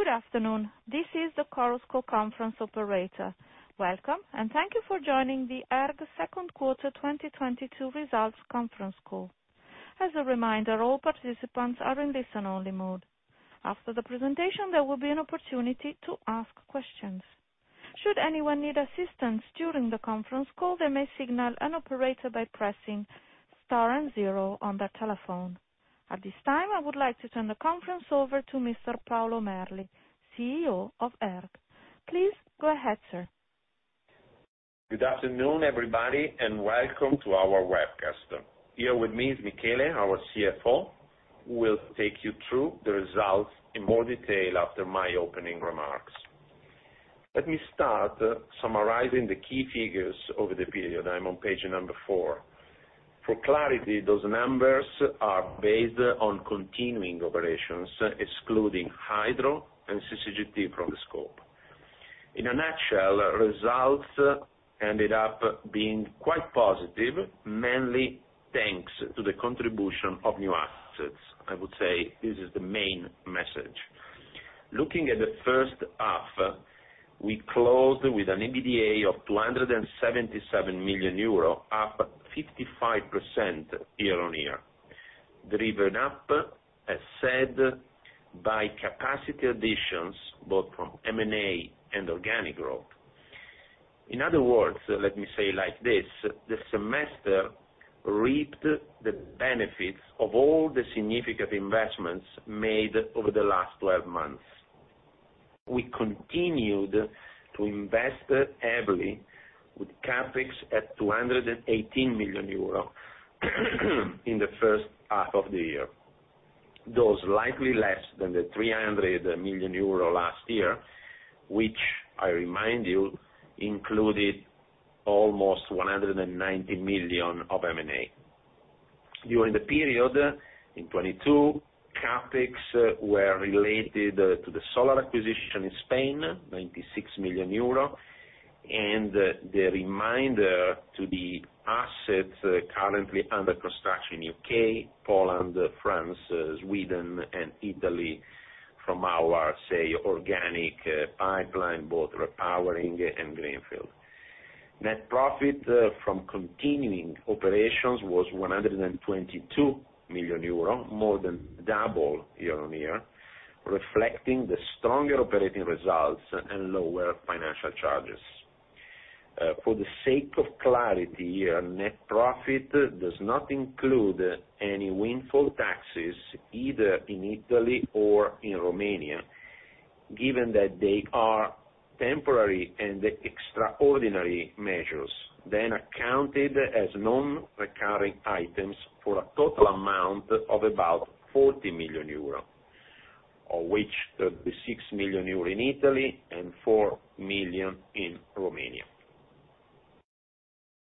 Good afternoon. This is the Chorus Call conference operator. Welcome and thank you for joining the ERG second quarter 2022 results conference call. As a reminder, all participants are in listen-only mode. After the presentation, there will be an opportunity to ask questions. Should anyone need assistance during the conference call, they may signal an operator by pressing star and zero on their telephone. At this time I would like to turn the conference over to Mr. Paolo Merli, CEO of ERG. Please go ahead, sir. Good afternoon, everybody, and welcome to our webcast. Here with me is Michele, our CFO, who will take you through the results in more detail after my opening remarks. Let me start summarizing the key figures over the period. I'm on page number four. For clarity, those numbers are based on continuing operations, excluding Hydro and CCGT from the scope. In a nutshell, results ended up being quite positive, mainly thanks to the contribution of new assets. I would say this is the main message. Looking at the first half, we closed with an EBITDA of 277 million euro, up 55% year-over-year, driven up, as said, by capacity additions, both from M&A and organic growth. In other words, let me say like this, the semester reaped the benefits of all the significant investments made over the last 12 months. We continued to invest heavily with CapEx at 218 million euro in the first half of the year. Those likely less than the 300 million euro last year, which I remind you included almost 190 million of M&A. During the period in 2022, CapEx were related to the solar acquisition in Spain, 96 million euro, and the remainder to the assets currently under construction in U.K., Poland, France, Sweden, and Italy from our, say, organic pipeline, both repowering and greenfield. Net profit from continuing operations was 122 million euro, more than double year-on-year, reflecting the stronger operating results and lower financial charges. For the sake of clarity here, net profit does not include any windfall taxes, either in Italy or in Romania, given that they are temporary and extraordinary measures, then accounted as non-recurring items for a total amount of about 40 million euro, of which the 6 million euro in Italy and 4 million in Romania.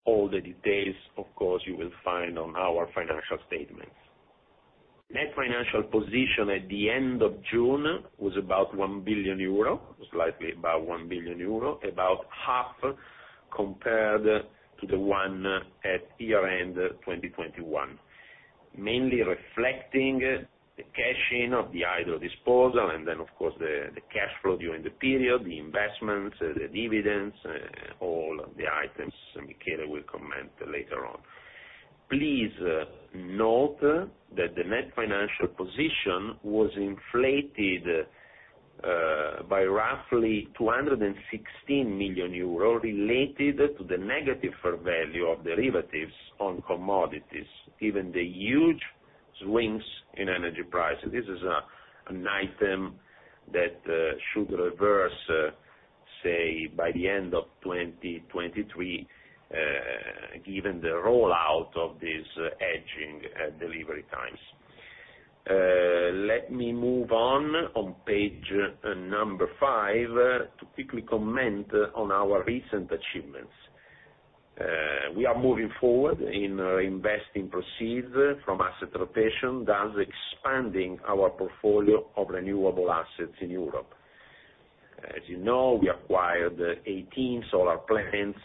All the details, of course, you will find on our financial statements. Net financial position at the end of June was about 1 billion euro, slightly above 1 billion euro, about half compared to the one at year-end 2021. Mainly reflecting the cash-in from the disposal and then, of course, the cash flow during the period, the investments, the dividends, all of the items, and Michele will comment later on. Please note that the net financial position was inflated by roughly 216 million euro related to the negative fair value of derivatives on commodities, given the huge swings in energy prices. This is an item that should reverse, say, by the end of 2023, given the rollout of these hedging delivery times. Let me move on page five to quickly comment on our recent achievements. We are moving forward in investing proceeds from asset rotation, thus expanding our portfolio of renewable assets in Europe. As you know, we acquired 18 solar plants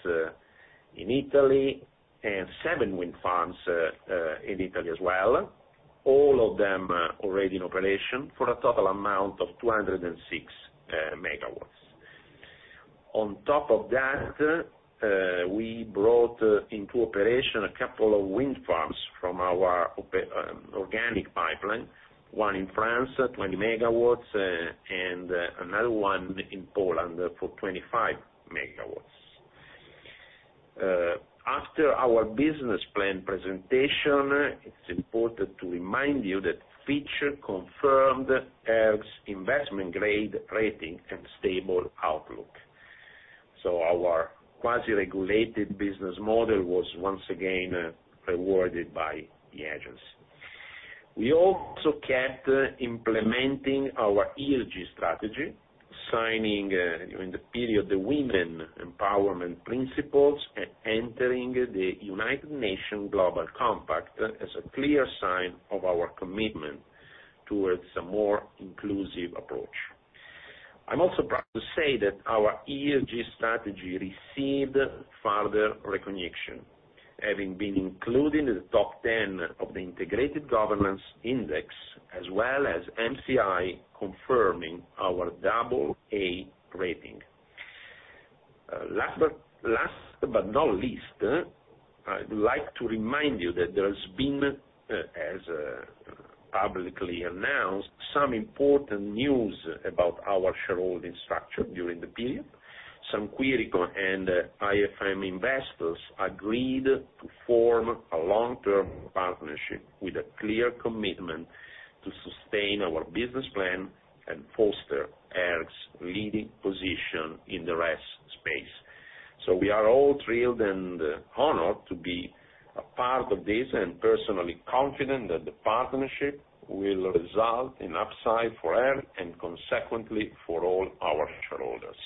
in Italy and seven wind farms in Italy as well, all of them already in operation, for a total amount of 206 MW. On top of that, we brought into operation a couple of wind farms from our organic pipeline, one in France, 20 MW, and another one in Poland for 25 MW. After our business plan presentation, it's important to remind you that Fitch confirmed ERG's investment grade rating and stable outlook. Our quasi-regulated business model was once again rewarded by the agency. We also kept implementing our ESG strategy, signing during the period, the Women Empowerment Principles, entering the United Nations Global Compact as a clear sign of our commitment towards a more inclusive approach. I'm also proud to say that our ESG strategy received further recognition, having been included in the top ten of the Integrated Governance Index, as well as MSCI confirming our double A rating. Last but not least, I would like to remind you that there has been, as publicly announced, some important news about our shareholding structure during the period. Snam, San Quirico, and IFM Investors agreed to form a long-term partnership with a clear commitment to sustain our business plan and foster ERG's leading position in the RES space. We are all thrilled and honored to be a part of this, and personally confident that the partnership will result in upside for ERG and consequently for all our shareholders.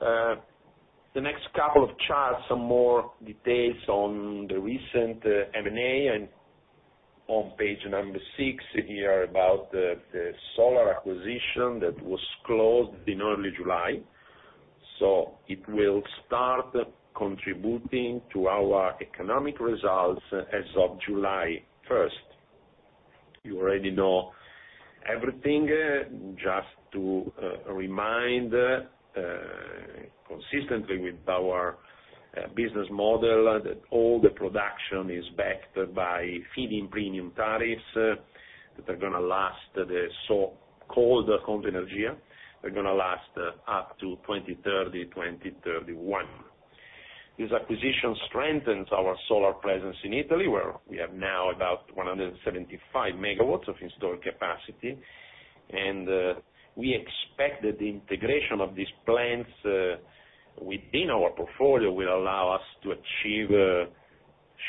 The next couple of charts, some more details on the recent M&A, and on page number six here about the solar acquisition that was closed in early July. It will start contributing to our economic results as of July 1st. You already know everything. Just to remind consistently with our business model that all the production is backed by feed-in premium tariffs that are gonna last, the so-called Conto Energia. They're gonna last up to 2030, 2031. This acquisition strengthens our solar presence in Italy, where we have now about 175 MW of installed capacity. We expect that the integration of these plants within our portfolio will allow us to achieve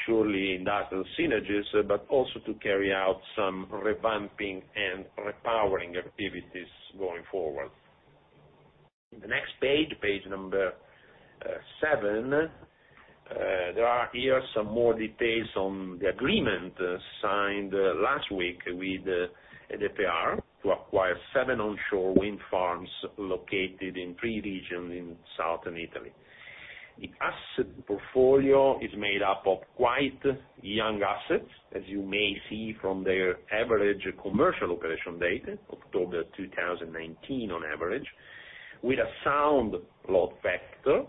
surely industrial synergies, but also to carry out some revamping and repowering activities going forward. In the next page number seven, there are here some more details on the agreement signed last week with EDPR to acquire seven onshore wind farms located in three regions in southern Italy. The asset portfolio is made up of quite young assets, as you may see from their average commercial operation date, October 2019 on average, with a sound load factor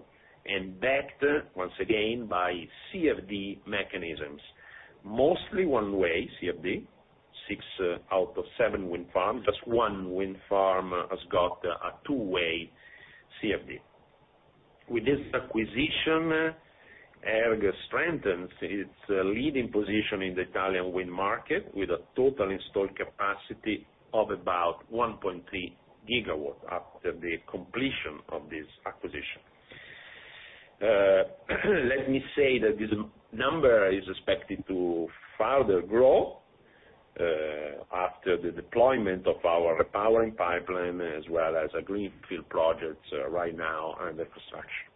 and backed, once again, by CFD mechanisms. Mostly one-way CFD, six out of seven wind farms. Just one wind farm has got a two-way CFD. With this acquisition, ERG strengthens its leading position in the Italian wind market with a total installed capacity of about 1.3 GW after the completion of this acquisition. Let me say that this number is expected to further grow, after the deployment of our repowering pipeline, as well as our greenfield projects right now under construction.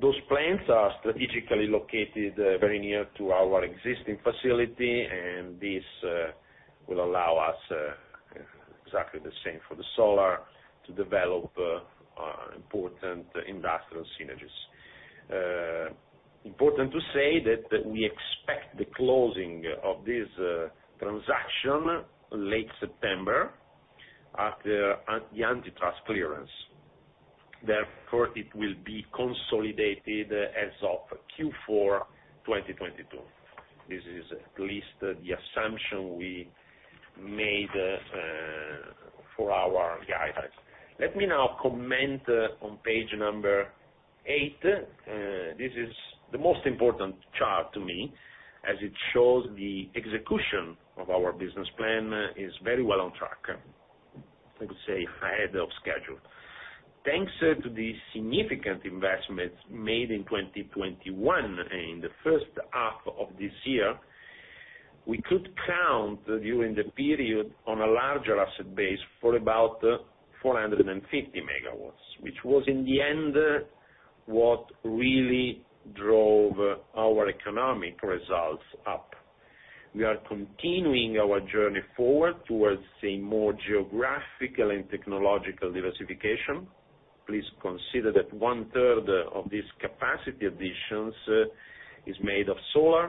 Those plants are strategically located, very near to our existing facility, and this will allow us exactly the same for the solar, to develop important industrial synergies. Important to say that we expect the closing of this transaction late September after the antitrust clearance. Therefore, it will be consolidated as of Q4 2022. This is at least the assumption we made for our guidance. Let me now comment on page number eight. This is the most important chart to me, as it shows the execution of our business plan is very well on track. I would say ahead of schedule. Thanks to the significant investments made in 2021 and the first half of this year, we could count during the period on a larger asset base for about 450 MW, which was in the end what really drove our economic results up. We are continuing our journey forward towards a more geographical and technological diversification. Please consider that 1/3 of these capacity additions is made of solar,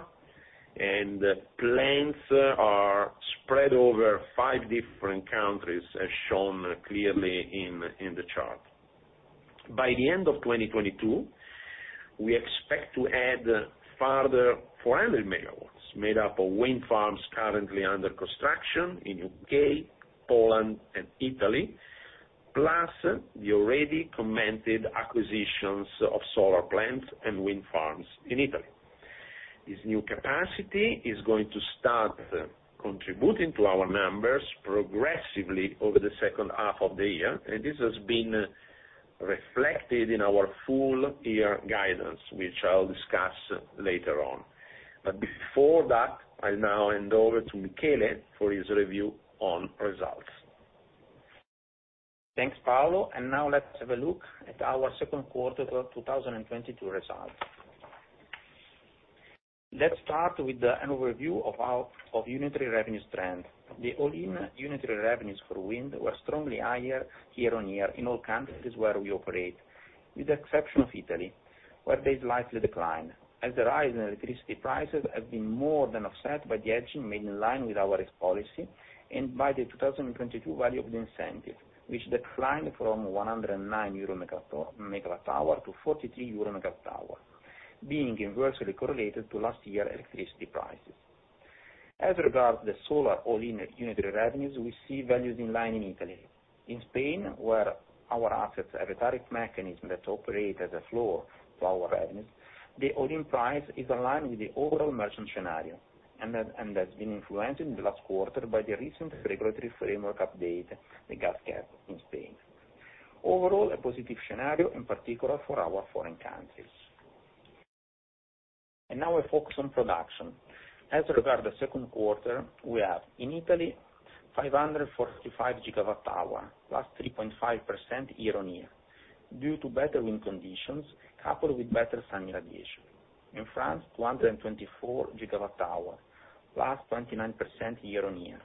and plants are spread over five different countries, as shown clearly in the chart. By the end of 2022, we expect to add further 400 MW made up of wind farms currently under construction in U.K., Poland, and Italy, plus the already commented acquisitions of solar plants and wind farms in Italy. This new capacity is going to start contributing to our numbers progressively over the second half of the year, and this has been reflected in our full year guidance, which I'll discuss later on. Before that, I'll now hand over to Michele for his review on results. Thanks, Paolo. Now let's have a look at our second quarter 2022 results. Let's start with an overview of our unitary revenues trend. The all-in unitary revenues for wind were strongly higher year-on-year in all countries where we operate. With the exception of Italy, where there is likely decline, as the rise in electricity prices have been more than offset by the hedging made in line with our risk policy and by the 2022 value of the incentive, which declined from 109 EUR/MWh to 43 EUR/MWh, being inversely correlated to last year electricity prices. As regards the solar all-in unit revenues, we see values in line in Italy. In Spain, where our assets have a tariff mechanism that operate as a floor to our revenues, the all-in price is aligned with the overall merchant scenario, and that's been influenced in the last quarter by the recent regulatory framework update that got capped in Spain. Overall, a positive scenario, in particular for our foreign countries. Now we focus on production. As regards the second quarter, we have in Italy, 545 GWh, +3.5% year-on-year, due to better wind conditions, coupled with better sun irradiation. In France, 224 GWh, +29% year-on-year.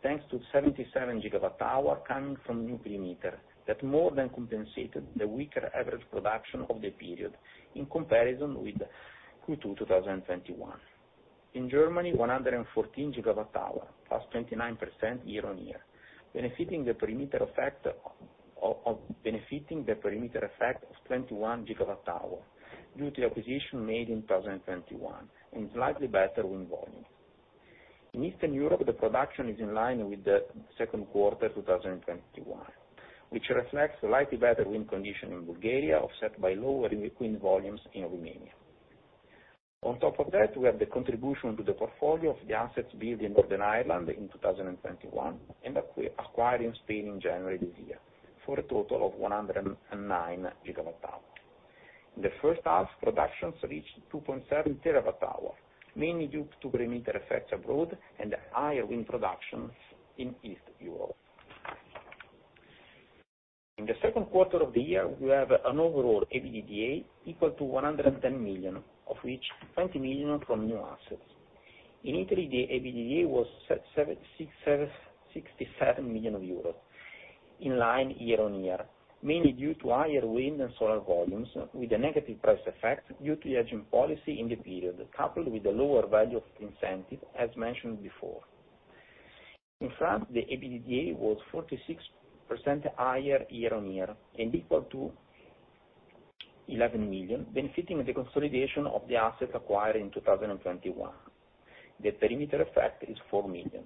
Thanks to 77 GWh coming from new perimeter that more than compensated the weaker average production of the period in comparison with quarter two 2021. In Germany, 114 GWh, +29% year-on-year, benefiting the perimeter effect of 21 GWh due to the acquisition made in 2021 and slightly better wind volumes. In Eastern Europe, the production is in line with the second quarter 2021, which reflects a slightly better wind condition in Bulgaria, offset by lower wind volumes in Romania. On top of that, we have the contribution to the portfolio of the assets built in Northern Ireland in 2021 and acquired in Spain in January this year for a total of 109 GWh. In the first half, productions reached 2.7 TWh, mainly due to perimeter effects abroad and higher wind productions in East Europe. In the second quarter of the year, we have an overall EBITDA equal to 110 million, of which 20 million from new assets. In Italy, the EBITDA was 67 million euros in line year-on-year, mainly due to higher wind and solar volumes, with a negative price effect due to the hedging policy in the period, coupled with the lower value of incentive, as mentioned before. In France, the EBITDA was 46% higher year-on-year and equal to 11 million, benefiting from the consolidation of the assets acquired in 2021. The perimeter effect is 4 million.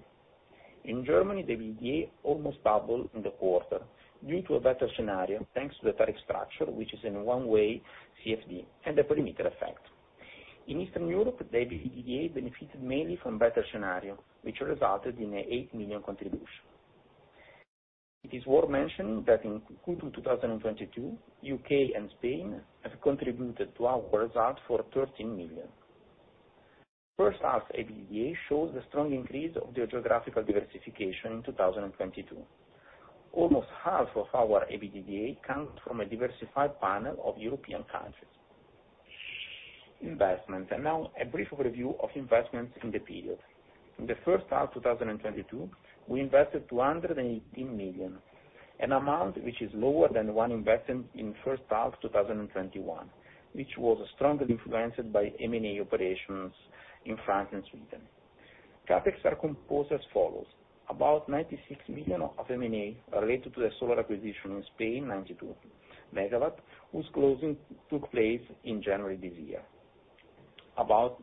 In Germany, the EBITDA almost doubled in the quarter due to a better scenario, thanks to the tariff structure, which is one-way CFD, and the perimeter effect. In Eastern Europe, the EBITDA benefited mainly from better scenario, which resulted in an 8 million contribution. It is worth mentioning that in quarter two 2022, U.K. and Spain have contributed to our result for 13 million. First half EBITDA shows the strong increase of the geographical diversification in 2022. Almost half of our EBITDA comes from a diversified panel of European countries. Investments. Now a brief overview of investments in the period. In the first half of 2022, we invested 218 million, an amount which is lower than the one invested in first half 2021, which was strongly influenced by M&A operations in France and Sweden. CapEx are composed as follows. About 96 million of M&A related to the solar acquisition in Spain, 92 MW, whose closing took place in January this year. About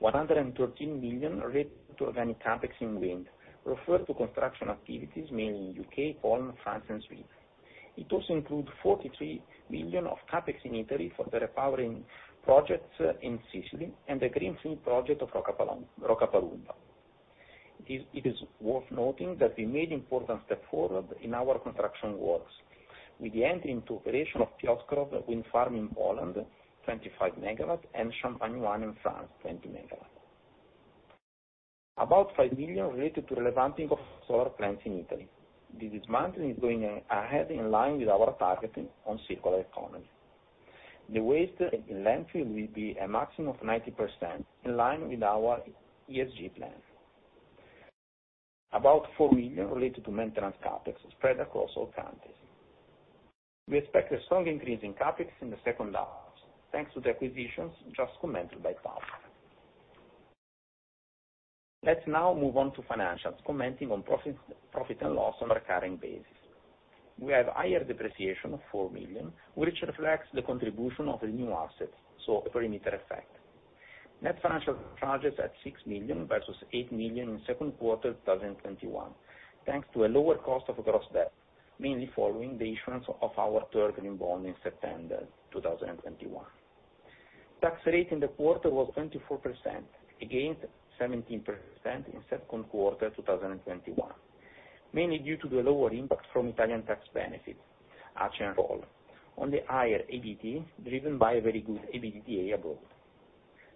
113 million related to organic CapEx in wind refer to construction activities, mainly in U.K., Poland, France, and Sweden. It also includes 43 million of CapEx in Italy for the repowering projects in Sicily and the greenfield project of Roccapalumba. It is worth noting that we made important step forward in our construction works. With the entry into operation of Piotrków wind farm in Poland, 25 MW and Champagne 1 in France, 20MW. About 5 million related to revamping of solar plants in Italy. This dismantling is going ahead in line with our targeting on circular economy. The waste in landfill will be a maximum of 90% in line with our ESG plan. About 4 million related to maintenance CapEx spread across all countries. We expect a strong increase in CapEx in the second half, thanks to the acquisitions just commented by Paolo. Let's now move on to financials, commenting on profit and loss on recurring basis. We have higher depreciation of 4 million, which reflects the contribution of the new assets, so a perimeter effect. Net financial charges at 6 million versus 8 million in second quarter 2021, thanks to a lower cost of gross debt, mainly following the issuance of our third green bond in September 2021. Tax rate in the quarter was 24%, against 17% in second quarter 2021, mainly due to the lower impact from Italian tax benefit ACE on the higher EBT, driven by a very good EBITDA growth.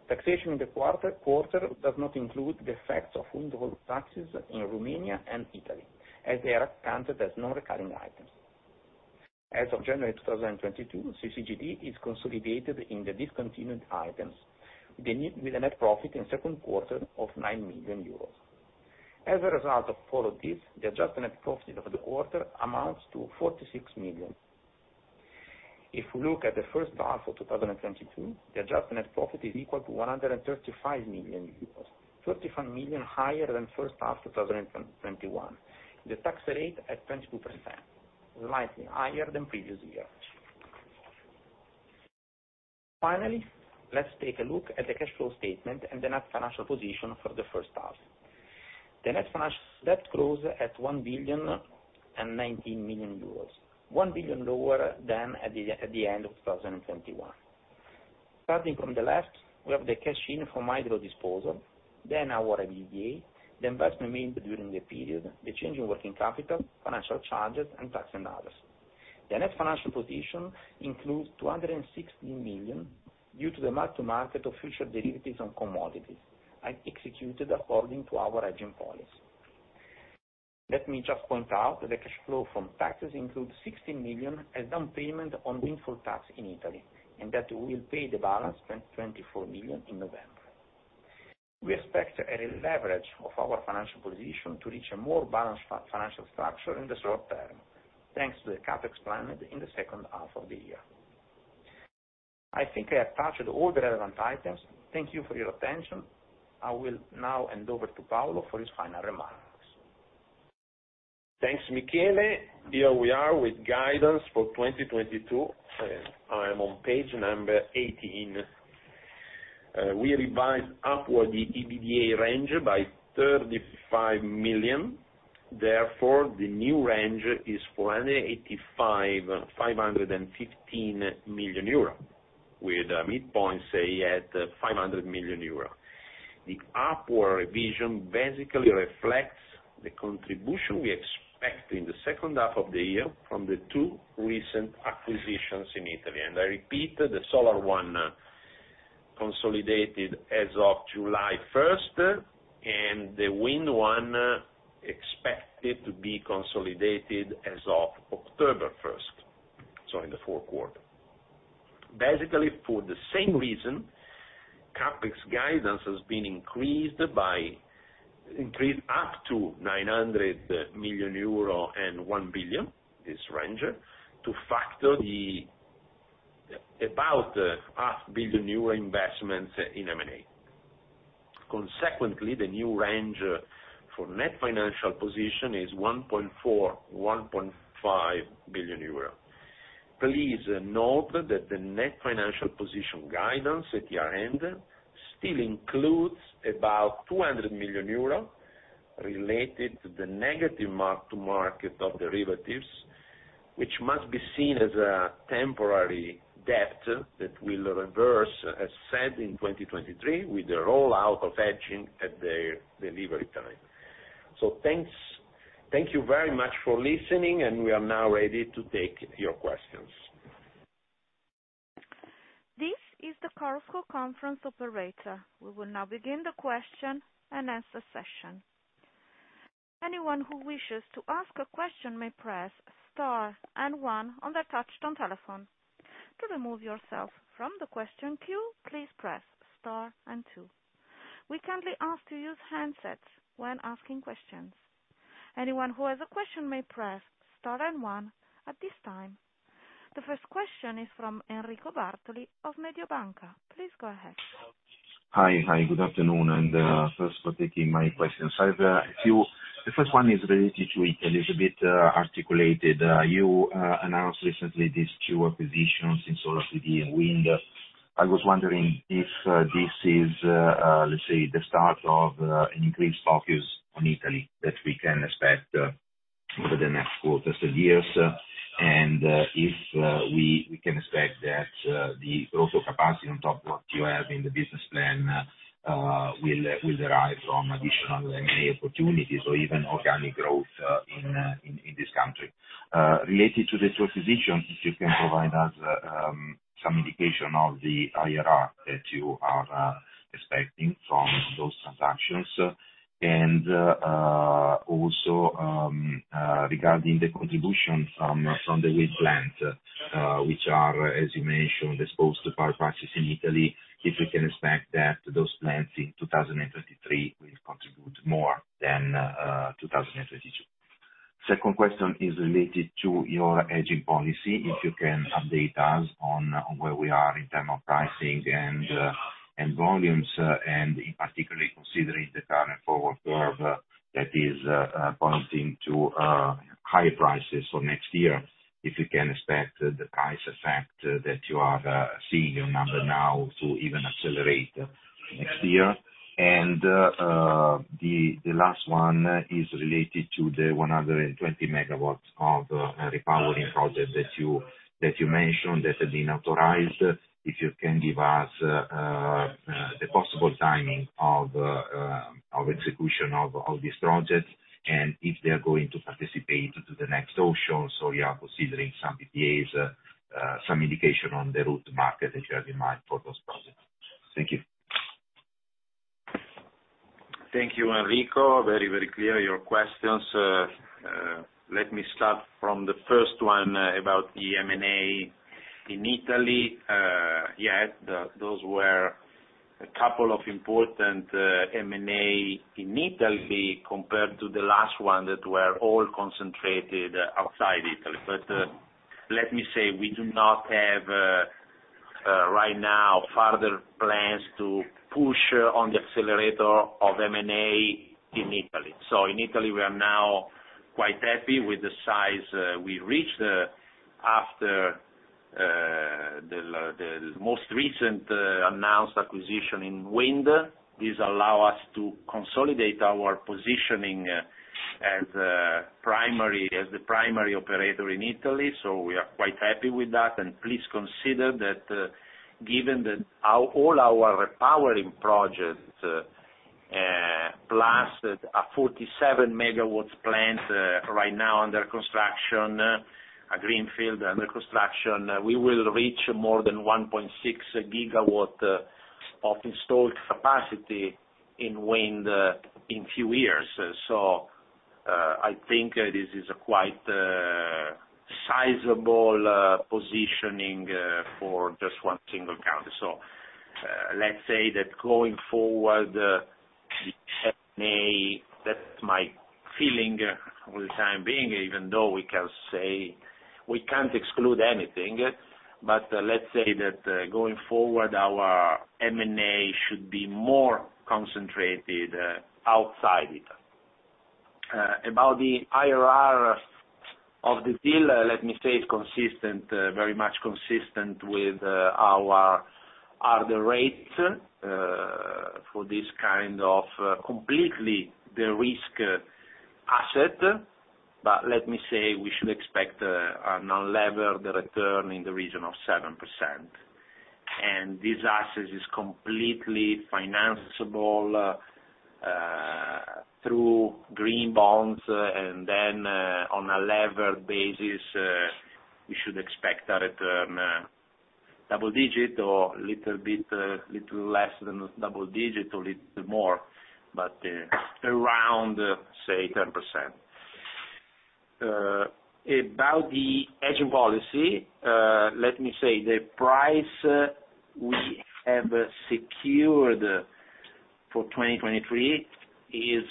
Taxation in the quarter does not include the effects of withholding taxes in Romania and Italy, as they are counted as non-recurring items. As of January 2022, CCGT is consolidated in the discontinued items, with a net profit in second quarter of 9 million euros. As a result of all of this, the adjusted net profit of the quarter amounts to 46 million. If we look at the first half of 2022, the adjusted net profit is equal to 135 million euros, 35 million higher than first half 2021. The tax rate at 22%, slightly higher than previous years. Finally, let's take a look at the cash flow statement and the net financial position for the first half. The net financial position closes at 1.19 billion, 1 billion lower than at the end of 2021. Starting from the left, we have the cash in from hydro disposal, then our EBITDA, the investment made during the period, the change in working capital, financial charges, and tax and others. The net financial position includes 260 million, due to the mark to market of future derivatives on commodities, executed according to our hedging policy. Let me just point out that the cash flow from taxes include 16 million as down payment on windfall tax in Italy, and that we will pay the balance, 24 million, in November. We expect a leverage of our financial position to reach a more balanced financial structure in the short term, thanks to the CapEx planned in the second half of the year. I think I have touched all the relevant items. Thank you for your attention. I will now hand over to Paolo for his final remarks. Thanks, Michele. Here we are with guidance for 2022. I am on page number 18. We revised upward the EBITDA range by 35 million. Therefore, the new range is 485 million-515 million euro, with midpoint, say, at 500 million euro. The upward revision basically reflects the contribution we expect in the second half of the year from the two recent acquisitions in Italy. I repeat, the solar one consolidated as of July first, and the wind one expected to be consolidated as of October 1st, so in the fourth quarter. Basically, for the same reason, CapEx guidance has been increased up to 900 million-1 billion euro, this range, to factor the about 0.5 billion euro investments in M&A. Consequently, the new range for net financial position is 1.4 billion-1.5 billion euro. Please note that the net financial position guidance at year-end still includes about 200 million euros related to the negative mark to market of derivatives, which must be seen as a temporary debt that will reverse, as said, in 2023, with the rollout of hedging at the delivery time. Thanks, thank you very much for listening, and we are now ready to take your questions. This is the Chorus Call conference operator. We will now begin the question-and-answer session. Anyone who wishes to ask a question may press star and one on their touch-tone telephone. To remove yourself from the question queue, please press star and two. We kindly ask to use handsets when asking questions. Anyone who has a question may press star and one at this time. The first question is from Enrico Bartoli of Mediobanca. Please go ahead. Hi. Good afternoon, and thanks for taking my questions. I have a few. The first one is related to it, a little bit articulated. You announced recently these two acquisitions in solar PV and wind. I was wondering if this is, let's say, the start of an increased focus on Italy that we can expect over the next quarters and years. If we can expect that the growth of capacity on top of what you have in the business plan will derive from additional M&A opportunities or even organic growth in this country. Related to the two acquisitions, if you can provide us some indication of the IRR that you are expecting from those transactions. Also, regarding the contribution from the wind plants, which are, as you mentioned, exposed to power prices in Italy, if we can expect that those plants in 2023 will contribute more than 2022. Second question is related to your hedging policy. If you can update us on where we are in terms of pricing and volumes, and in particular considering the current forward curve that is pointing to higher prices for next year. If you can expect the price effect that you are seeing in the numbers now to even accelerate next year. The last one is related to the 120 MW of repowering projects that you mentioned that have been authorized. If you can give us the possible timing of execution of this project, and if they are going to participate to the next auction, so you are considering some PPAs, some indication on the route to market that you have in mind for those projects. Thank you. Thank you, Enrico. Very, very clear, your questions. Let me start from the first one, about the M&A in Italy. Yes, those were a couple of important M&A in Italy compared to the last one that were all concentrated outside Italy. Let me say, we do not have right now further plans to push on the accelerator of M&A in Italy. In Italy, we are now quite happy with the size we reached after the most recent announced acquisition in wind. This allow us to consolidate our positioning as primary, as the primary operator in Italy, so we are quite happy with that. Please consider that, given that our. All our repowering projects, +47 MW plant right now under construction, a greenfield under construction, we will reach more than 1.6 GW of installed capacity in wind in few years. I think this is a quite sizable positioning for just one single country. Let's say that going forward, the M&A, that's my feeling for the time being, even though we can say we can't exclude anything. Let's say that, going forward, our M&A should be more concentrated outside Italy. About the IRR of the deal, let me say it's consistent, very much consistent with our rates for this kind of completely de-risk asset. Let me say, we should expect an unlevered return in the region of 7%. This asset is completely financeable through green bonds, and then on a levered basis we should expect a return double digit or little bit little less than double digit or little more, but around, say, 10%. About the hedging policy, let me say, the price we have secured for 2023 is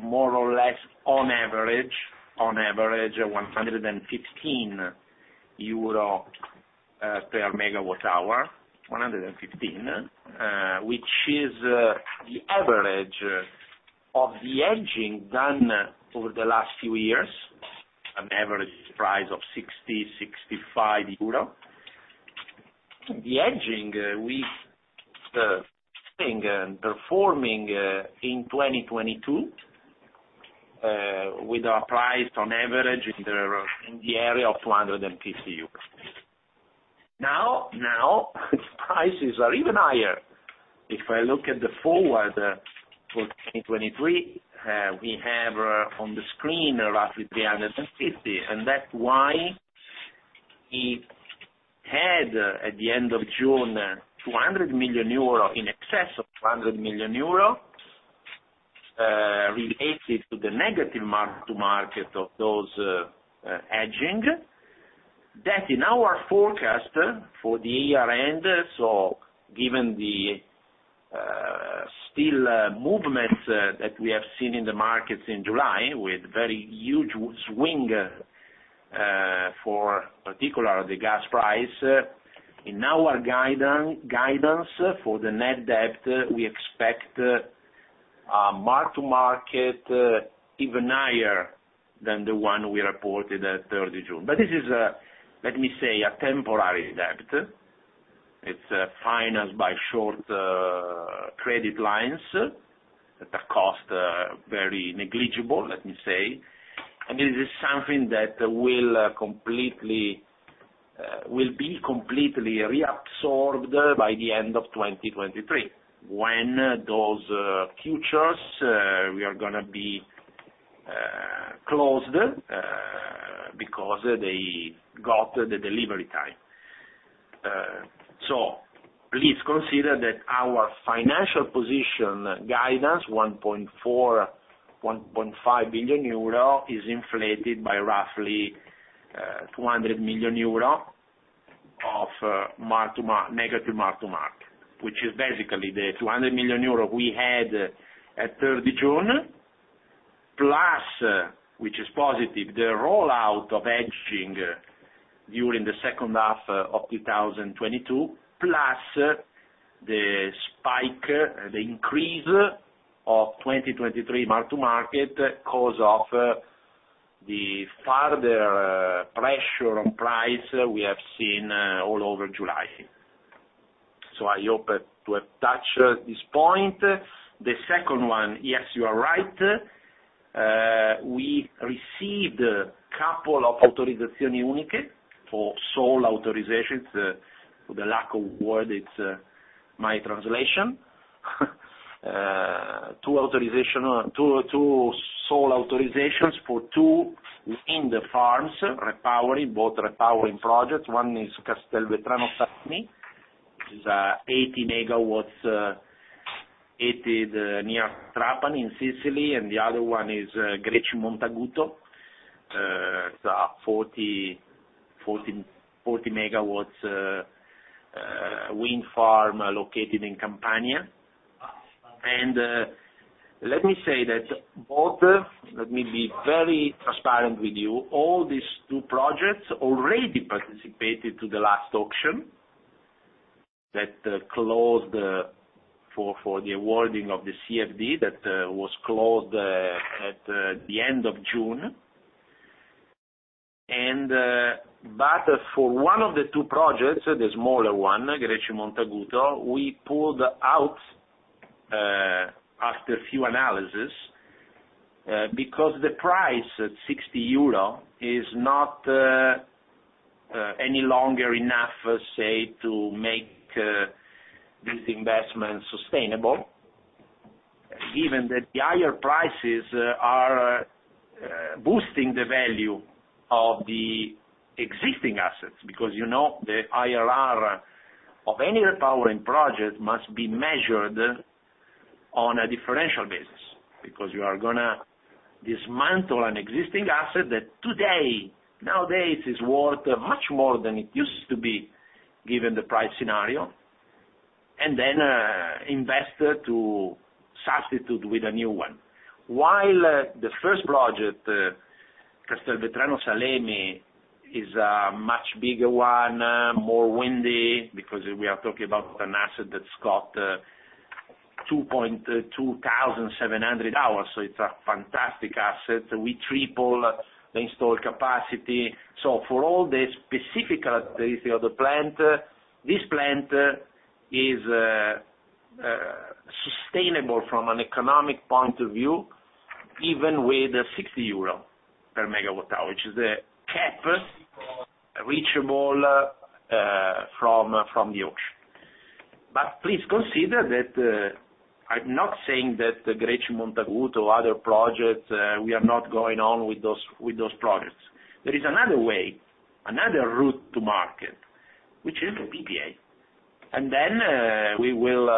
more or less on average on average 115 euro/MWh, 115, which is the average of the hedging done over the last few years, an average price of 60-65 euro. The hedging we've been performing in 2022 with our price on average in the area of 250 euros. Now prices are even higher. If I look at the forward for 2023, we have on the screen roughly 350, and that's why it had, at the end of June, 200 million euro, in excess of 200 million euro, related to the negative mark to market of those hedging. That, in our forecast for the year end, so given the still movements that we have seen in the markets in July with very huge swing, particularly the gas price, in our guidance for the net debt, we expect a mark to market even higher than the one we reported at 30th of June. This is a, let me say, a temporary debt. It's financed by short credit lines at a cost very negligible, let me say. It is something that will be completely reabsorbed by the end of 2023 when those futures we are gonna be closed because they got the delivery time. Please consider that our financial position guidance, 1.4 billion-1.5 billion euro, is inflated by roughly 200 million euro of negative mark to market, which is basically the 200 million euro we had at 3rd of June, plus, which is positive, the rollout of hedging during the second half of 2022, plus the spike, the increase of 2023 mark to market because of the further pressure on price we have seen all over July. I hope to have touched this point. The second one, yes, you are right. We received a couple of autorizzazioni uniche for sole authorizations. For lack of a better word, it's my translation. Two sole authorizations for two wind farms repowering, both repowering projects. One is Castelvetrano-Salemi, 80 MW near Trapani in Sicily, and the other one is Greci Montaguto. It's a 40 MW wind farm located in Campania. Let me be very transparent with you. All these two projects already participated to the last auction that closed for the awarding of the CFD that was closed at the end of June. For one of the two projects, the smaller one, Greci Montaguto, we pulled out after few analysis because the price at 60 euro is not any longer enough, say, to make this investment sustainable, given that the higher prices are boosting the value of the existing assets, because, you know, the IRR of any repowering project must be measured on a differential basis. You are gonna dismantle an existing asset that today, nowadays, is worth much more than it used to be, given the price scenario, and then invest to substitute with a new one. While the first project, Castelvetrano-Salemi, is a much bigger one, more windy because we are talking about an asset that's got 2,700 hours. So it's a fantastic asset. We triple the installed capacity. For all the specificities of the plant, this plant is sustainable from an economic point of view, even with the 60 euro/MGh, which is a cap reachable from the auction. Please consider that I'm not saying that the Greci Montaguto or other projects we are not going on with those projects. There is another way, another route to market, which is the PPA. We will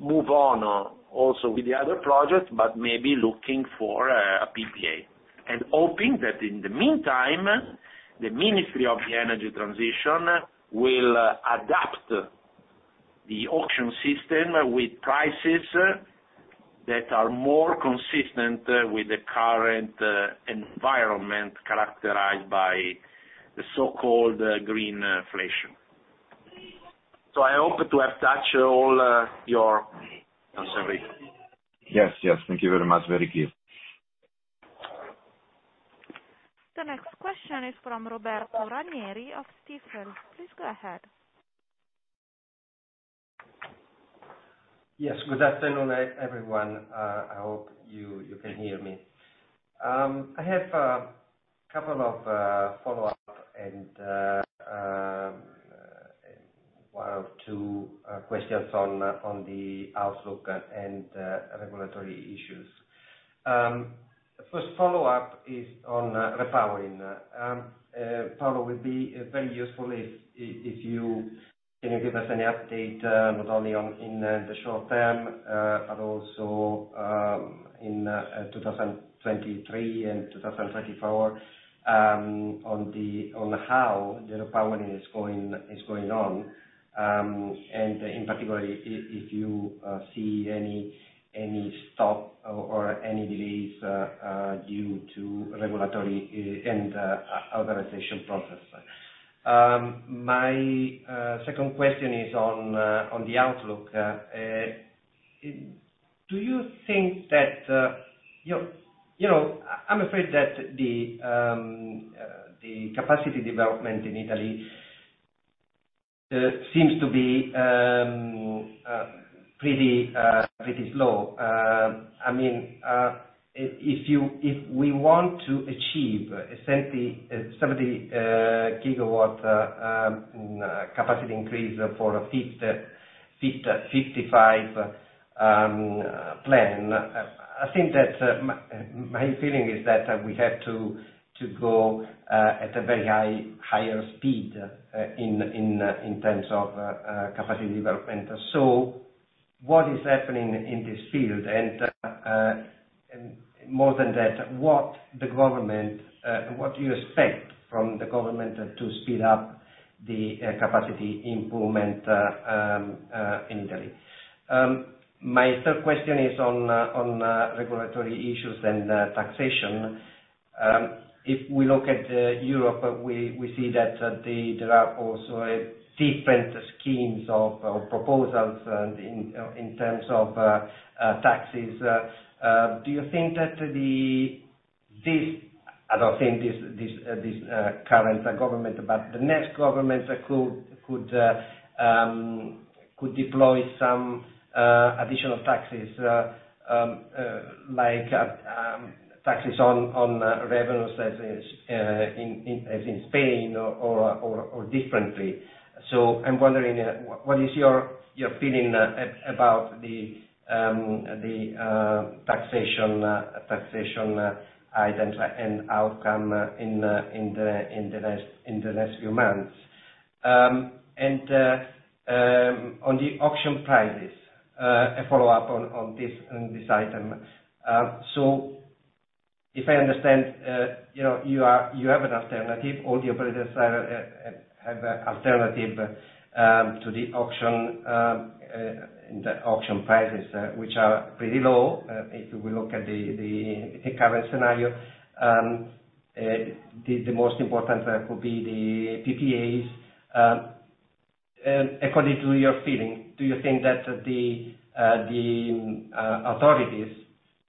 move on also with the other projects, but maybe looking for a PPA, and hoping that in the meantime, the Ministry of the Energy Transition will adapt the auction system with prices that are more consistent with the current environment, characterized by the so-called green inflation. I hope to have touched all your concerns. Yes, yes. Thank you very much. Very clear. The next question is from Roberto Ranieri of Jefferies. Please go ahead. Yes. Good afternoon, everyone. I hope you can hear me. I have a couple of follow-up and one or two questions on the outlook and regulatory issues. First follow-up is on repowering. Paolo, it would be very useful if you can give us any update, not only in the short term, but also in 2023 and 2034, on how the repowering is going on, and in particular, if you see any stop or any delays due to regulatory and authorization process. My second question is on the outlook. Do you think that, you know, I'm afraid that the capacity development in Italy seems to be pretty slow. I mean, if we want to achieve 70 GW capacity increase for a 55 GW plan, I think that my feeling is that we have to go at a very higher speed in terms of capacity development. What is happening in this field? More than that, what do you expect from the government to speed up the capacity improvement in Italy? My third question is on regulatory issues and taxation. If we look at Europe, we see that the There are also different schemes of proposals and in terms of taxes. Do you think that this, I don't think this current government, but the next government could deploy some additional taxes like taxes on revenues as in Spain or differently. I'm wondering what is your feeling about the taxation items and outcome in the last few months. On the auction prices, a follow-up on this item. If I understand, you know, you have an alternative, all the operators have an alternative to the auction, the auction prices, which are pretty low, if you look at the current scenario. The most important could be the PPAs. According to your feeling, do you think that the authorities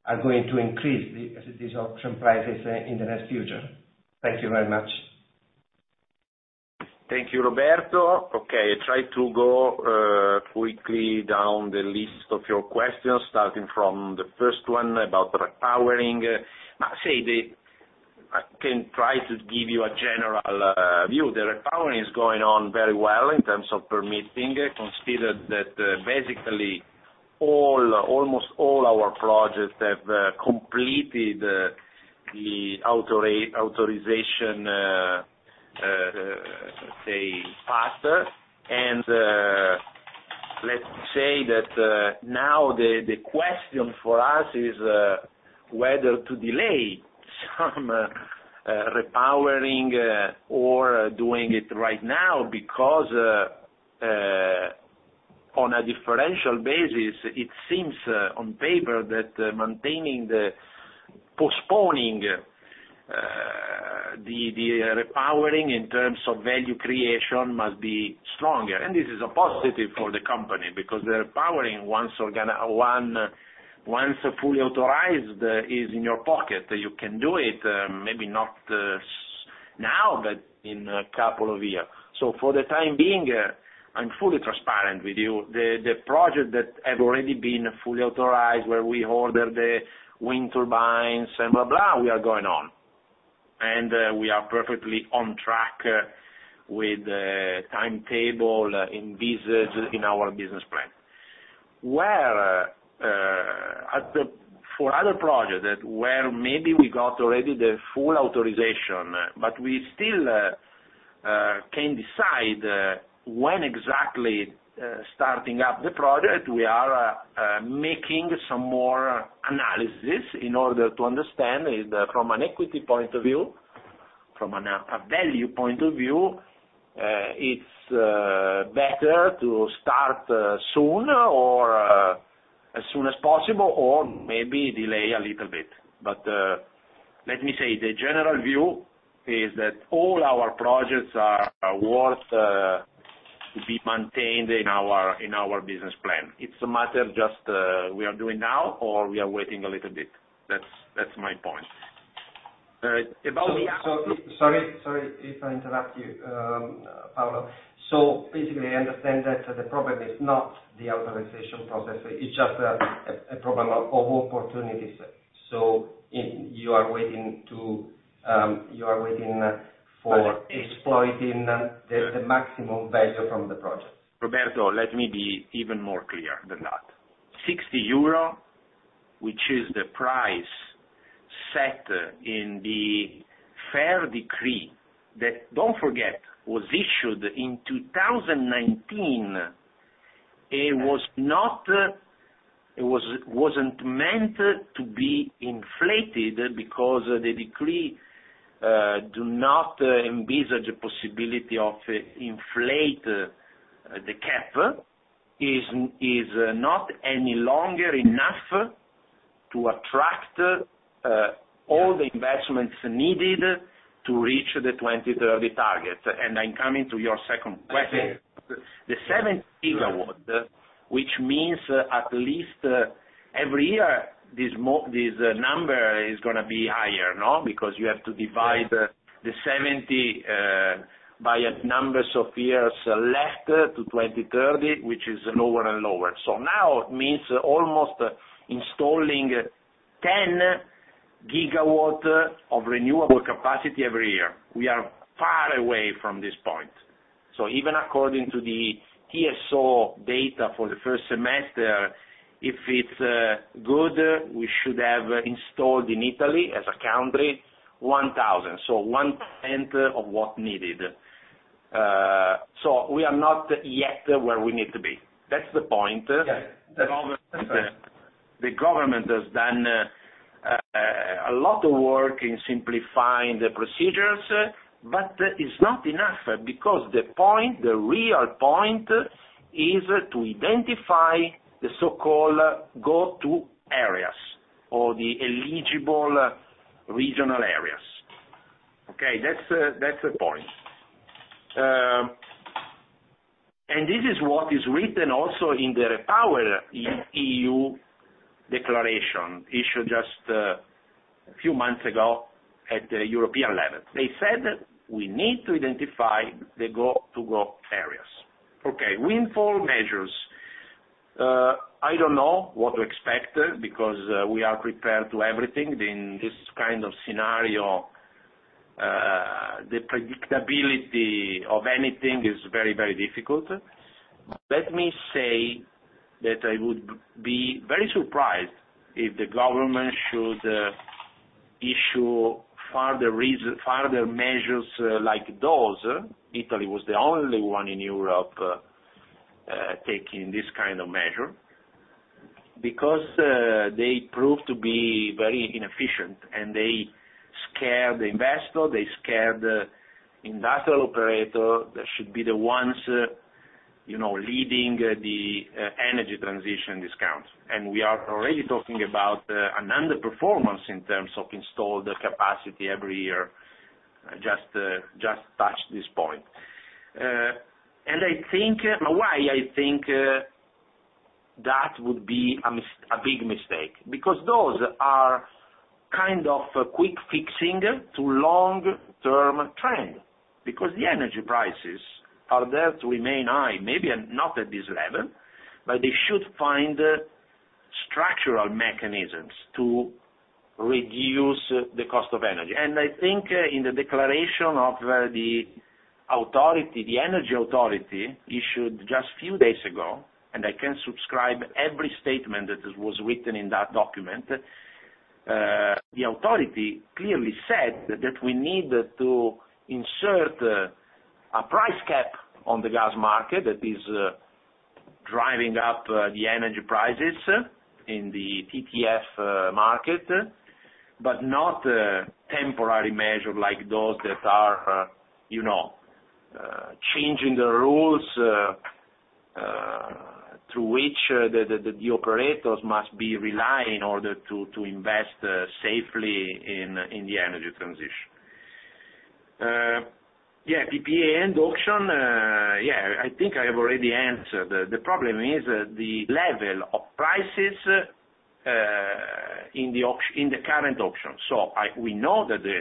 are going to increase these auction prices in the next future? Thank you very much. Thank you, Roberto. Okay. Try to go quickly down the list of your questions, starting from the first one about repowering. I'd say I can try to give you a general view. The repowering is going on very well in terms of permitting. Consider that basically almost all our projects have completed the authorization say faster. Let's say that now the question for us is whether to delay some repowering or doing it right now because on a differential basis it seems on paper that postponing the repowering in terms of value creation must be stronger. This is a positive for the company because the repowering once fully authorized is in your pocket. You can do it, maybe not now, but in a couple of years. For the time being, I'm fully transparent with you. The project that have already been fully authorized, where we order the wind turbines and blah, we are going on. We are perfectly on track with the timetable envisaged in our business plan. For other projects that where maybe we got already the full authorization, but we still can decide when exactly starting up the project, we are making some more analysis in order to understand is from an equity point of view, from a value point of view, it's better to start soon or as soon as possible, or maybe delay a little bit. Let me say, the general view is that all our projects are worth to be maintained in our business plan. It's a matter of just we are doing now or we are waiting a little bit. That's my point. Sorry if I interrupt you, Paolo. Basically, I understand that the problem is not the authorization process, it's just a problem of opportunities. You are waiting for exploiting the maximum value from the project. Roberto, let me be even more clear than that. 60 euro, which is the price set in the FER decree, that, don't forget, was issued in 2019, wasn't meant to be inflated because the decree does not envisage a possibility of inflating the cap, is not any longer enough to attract all the investments needed to reach the 2030 target. I'm coming to your second question. Okay. The 70 DQ which means at least every year, this number is gonna be higher, no? Because you have to divide. Yes. The 70 GW by a number of years left to 2030, which is lower and lower. Now it means almost installing 10 GW of renewable capacity every year. We are far away from this point. Even according to the TSO data for the first semester, if it's good, we should have installed in Italy as a country, 1,000, so 1/10 of what needed. We are not yet where we need to be. That's the point. Yes. The government has done a lot of work in simplifying the procedures, but it's not enough because the real point is to identify the so-called go-to areas or the eligible regional areas. That's the point. This is what is written also in the REPowerEU declaration issued just a few months ago at the European level. They said we need to identify the go-to areas. Windfall measures. I don't know what to expect because we are prepared for everything in this kind of scenario. The predictability of anything is very difficult. Let me say that I would be very surprised if the government should issue further measures like those. Italy was the only one in Europe taking this kind of measure because they proved to be very inefficient, and they scare the investor, they scare the industrial operator that should be the ones, you know, leading the energy transition discourse. We are already talking about an underperformance in terms of installed capacity every year. Just touch this point. I think now, why I think that would be a big mistake? Because those are kind of quick fixes to long-term trend, because the energy prices are there to remain high, maybe not at this level, but they should find structural mechanisms to reduce the cost of energy. I think in the declaration of the authority, the energy authority issued just a few days ago, and I can subscribe to every statement that was written in that document. The authority clearly said that we need to insert a price cap on the gas market that is driving up the energy prices in the TTF market, but not a temporary measure like those that are, you know, changing the rules through which the operators must be relying in order to invest safely in the energy transition. Yeah, PPA and auction, yeah, I think I have already answered. The problem is the level of prices in the current auction. We know that the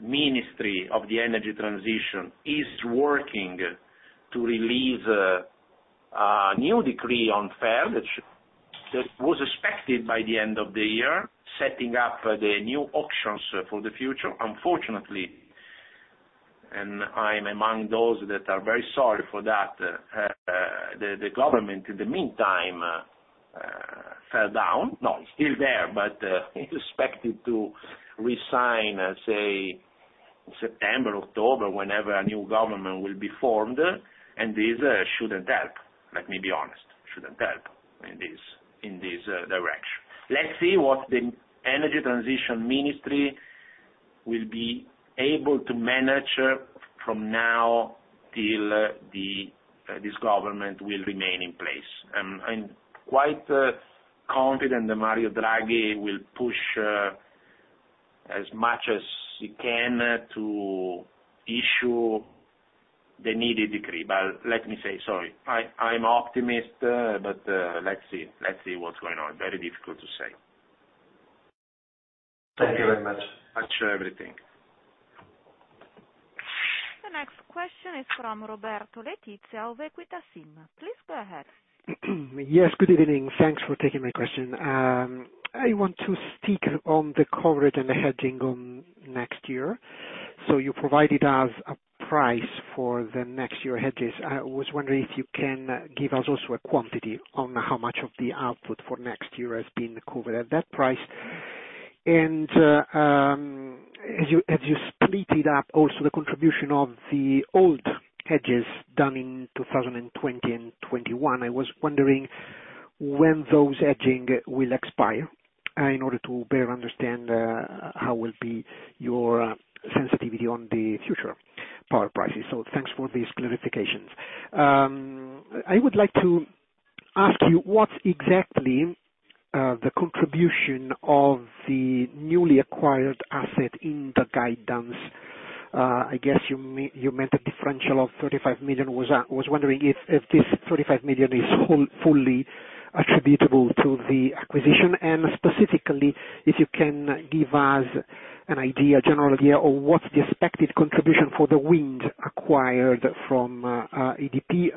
Ministry of Environment and Energy Security is working to release a new decree on FER that was expected by the end of the year, setting up the new auctions for the future. Unfortunately, I'm among those that are very sorry for that, the government in the meantime fell down. No, it's still there, but it's expected to resign, say, September, October, whenever a new government will be formed, and this shouldn't help. Let me be honest, shouldn't help in this direction. Let's see what the Energy Transition Ministry will be able to manage from now till this government will remain in place. I'm quite confident that Mario Draghi will push as much as he can to issue the needed decree. Let me say, sorry, I'm optimistic, but let's see. Let's see what's going on. Very difficult to say. Thank you very much. That's everything. The next question is from Roberto Letizia of EQUITA SIM. Please go ahead. Yes, good evening. Thanks for taking my question. I want to stick on the coverage and the hedging on next year. You provided us a price for the next year hedges. I was wondering if you can give us also a quantity on how much of the output for next year has been covered at that price. As you split up also the contribution of the old hedges done in 2020 and 2021, I was wondering when those hedges will expire, in order to better understand how will be your sensitivity on the future power prices. Thanks for these clarifications. I would like to ask you what exactly is the contribution of the newly acquired asset in the guidance. I guess you meant a differential of 35 million. Was wondering if this 35 million is wholly attributable to the acquisition, and specifically, if you can give us an idea, general idea of what's the expected contribution for the wind acquired from EDP.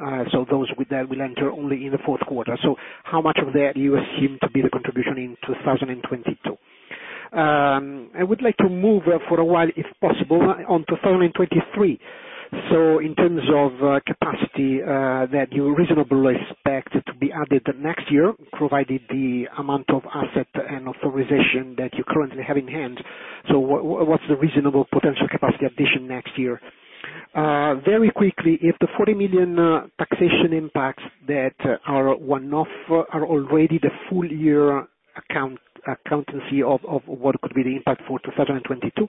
Those with that will enter only in the fourth quarter. How much of that you assume to be the contribution in 2022? I would like to move for a while, if possible, on 2023. In terms of capacity that you reasonably expect to be added next year, provided the amount of asset and authorization that you currently have in hand. What's the reasonable potential capacity addition next year? Very quickly, if the 40 million taxation impacts that are one-off are already the full year accountancy of what could be the impact for 2022.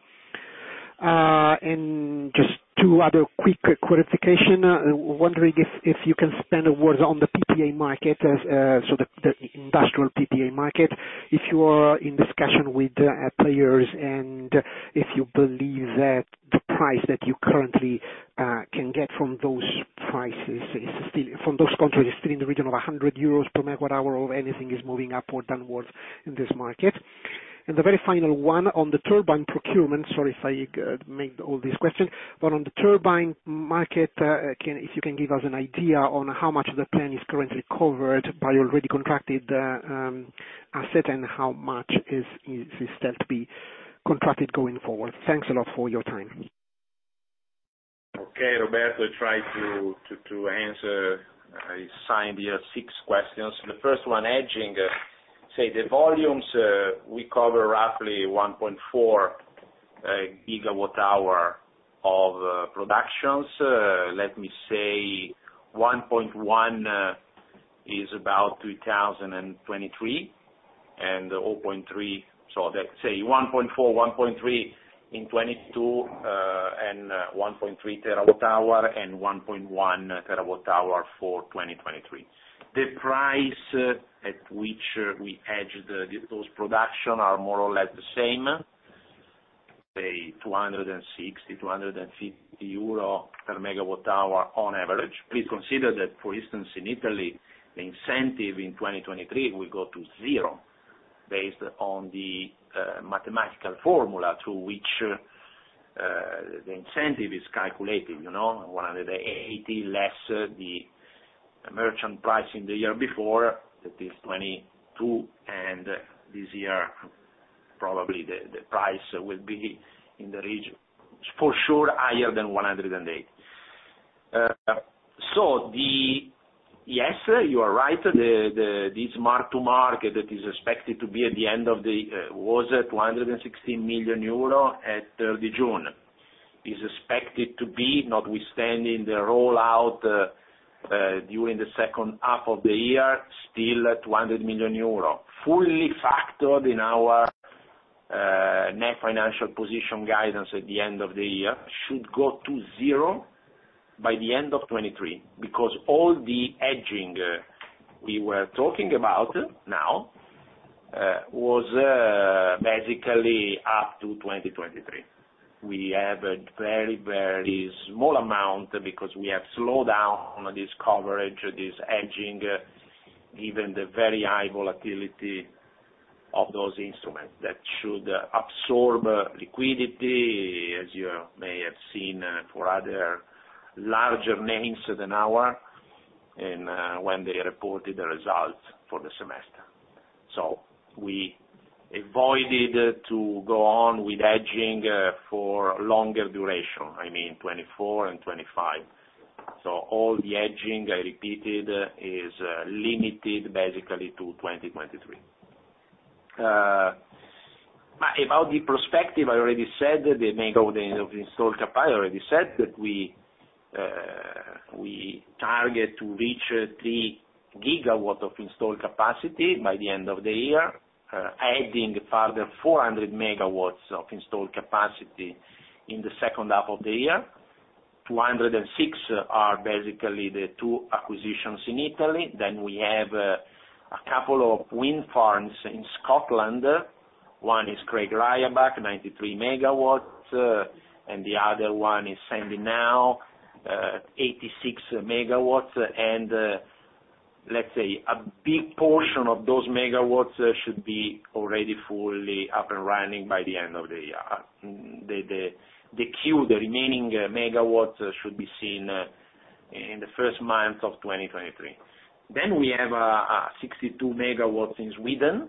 Just two other quick questions. Wondering if you can say a word on the PPA market, so the industrial PPA market, if you are in discussion with players and if you believe that the price that you currently can get from those corporates is still in the region of 100 euros/MWh or anything is moving up or down in this market. The very final one on the turbine procurement. Sorry if I made all these questions, but on the turbine market, can... If you can give us an idea on how much of the plan is currently covered by already contracted asset and how much is yet to be contracted going forward. Thanks a lot for your time. Okay, Roberto. Try to answer. I see here six questions. The first one, hedging. Say the volumes we cover roughly 1.4 TWh of production. Let me say 1.1 is about 2023, and 0.3 TWh. So let's say 1.4 TWh, 1.3 TWh in 2022, and 1.3 TWh and 1.1 TWh for 2023. The price at which we hedge those production are more or less the same, say 260-250 euro/MWh on average. Please consider that, for instance, in Italy, the incentive in 2023 will go to zero based on the mathematical formula to which the incentive is calculated. You know, 180 less the merchant price in the year before, that is 2022, and this year probably the price will be in the region, for sure higher than 108. Yes, you are right. This mark to market that is expected to be at the end of the was at 260 million euro at 30 June, is expected to be notwithstanding the rollout during the second half of the year, still at 200 million euro. Fully factored in our net financial position guidance at the end of the year should go to zero by the end of 2023, because all the hedging we were talking about now was basically up to 2023. We have a very, very small amount because we have slowed down this coverage, this hedging, given the very high volatility of those instruments. That should absorb liquidity, as you may have seen for other larger names than ours. In when they reported the results for the semester. We avoided to go on with hedging for longer duration, I mean 2024 and 2025. All the hedging, I repeated, is limited basically to 2023. About the prospects, I already said that we target to reach 3 GW of installed capacity by the end of the year, adding further 400 MW of installed capacity in the second half of the year. 206 are basically the two acquisitions in Italy. Then we have a couple of wind farms in Scotland. One is Creag Riabhach, 93 MW, and the other one is Sandy Knowe, 86 MW. Let's say a big portion of those megawatts should be already fully up and running by the end of the year. The remaining megawatts should be seen in the first month of 2023. We have 62 MW in Sweden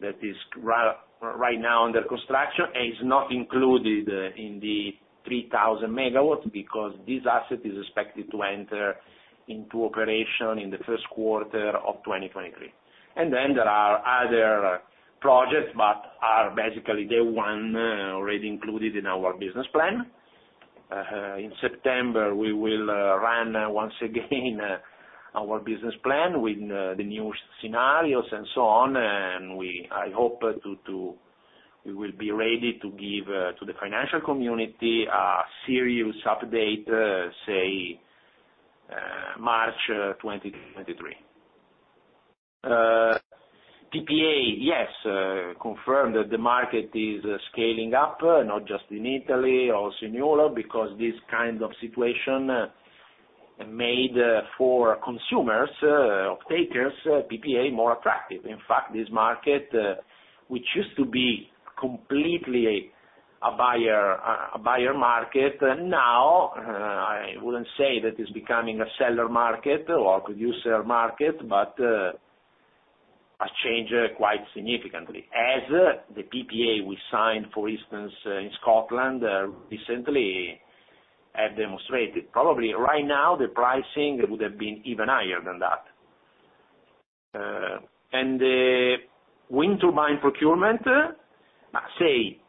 that is right now under construction, and it's not included in the 3,000 MW because this asset is expected to enter into operation in the first quarter of 2023. There are other projects, but they are basically the ones already included in our business plan. In September, we will run once again our business plan with the new scenarios and so on, and I hope to. We will be ready to give to the financial community a serious update, say, March 2023. PPA. Yes, confirm that the market is scaling up, not just in Italy, also in Europe, because this kind of situation made for consumers, offtakers, PPA more attractive. In fact, this market, which used to be completely a buyer market, now, I wouldn't say that it's becoming a seller market or producer market, but, has changed quite significantly. As the PPA we signed, for instance, in Scotland, recently had demonstrated. Probably right now the pricing would have been even higher than that. The wind turbine procurement, say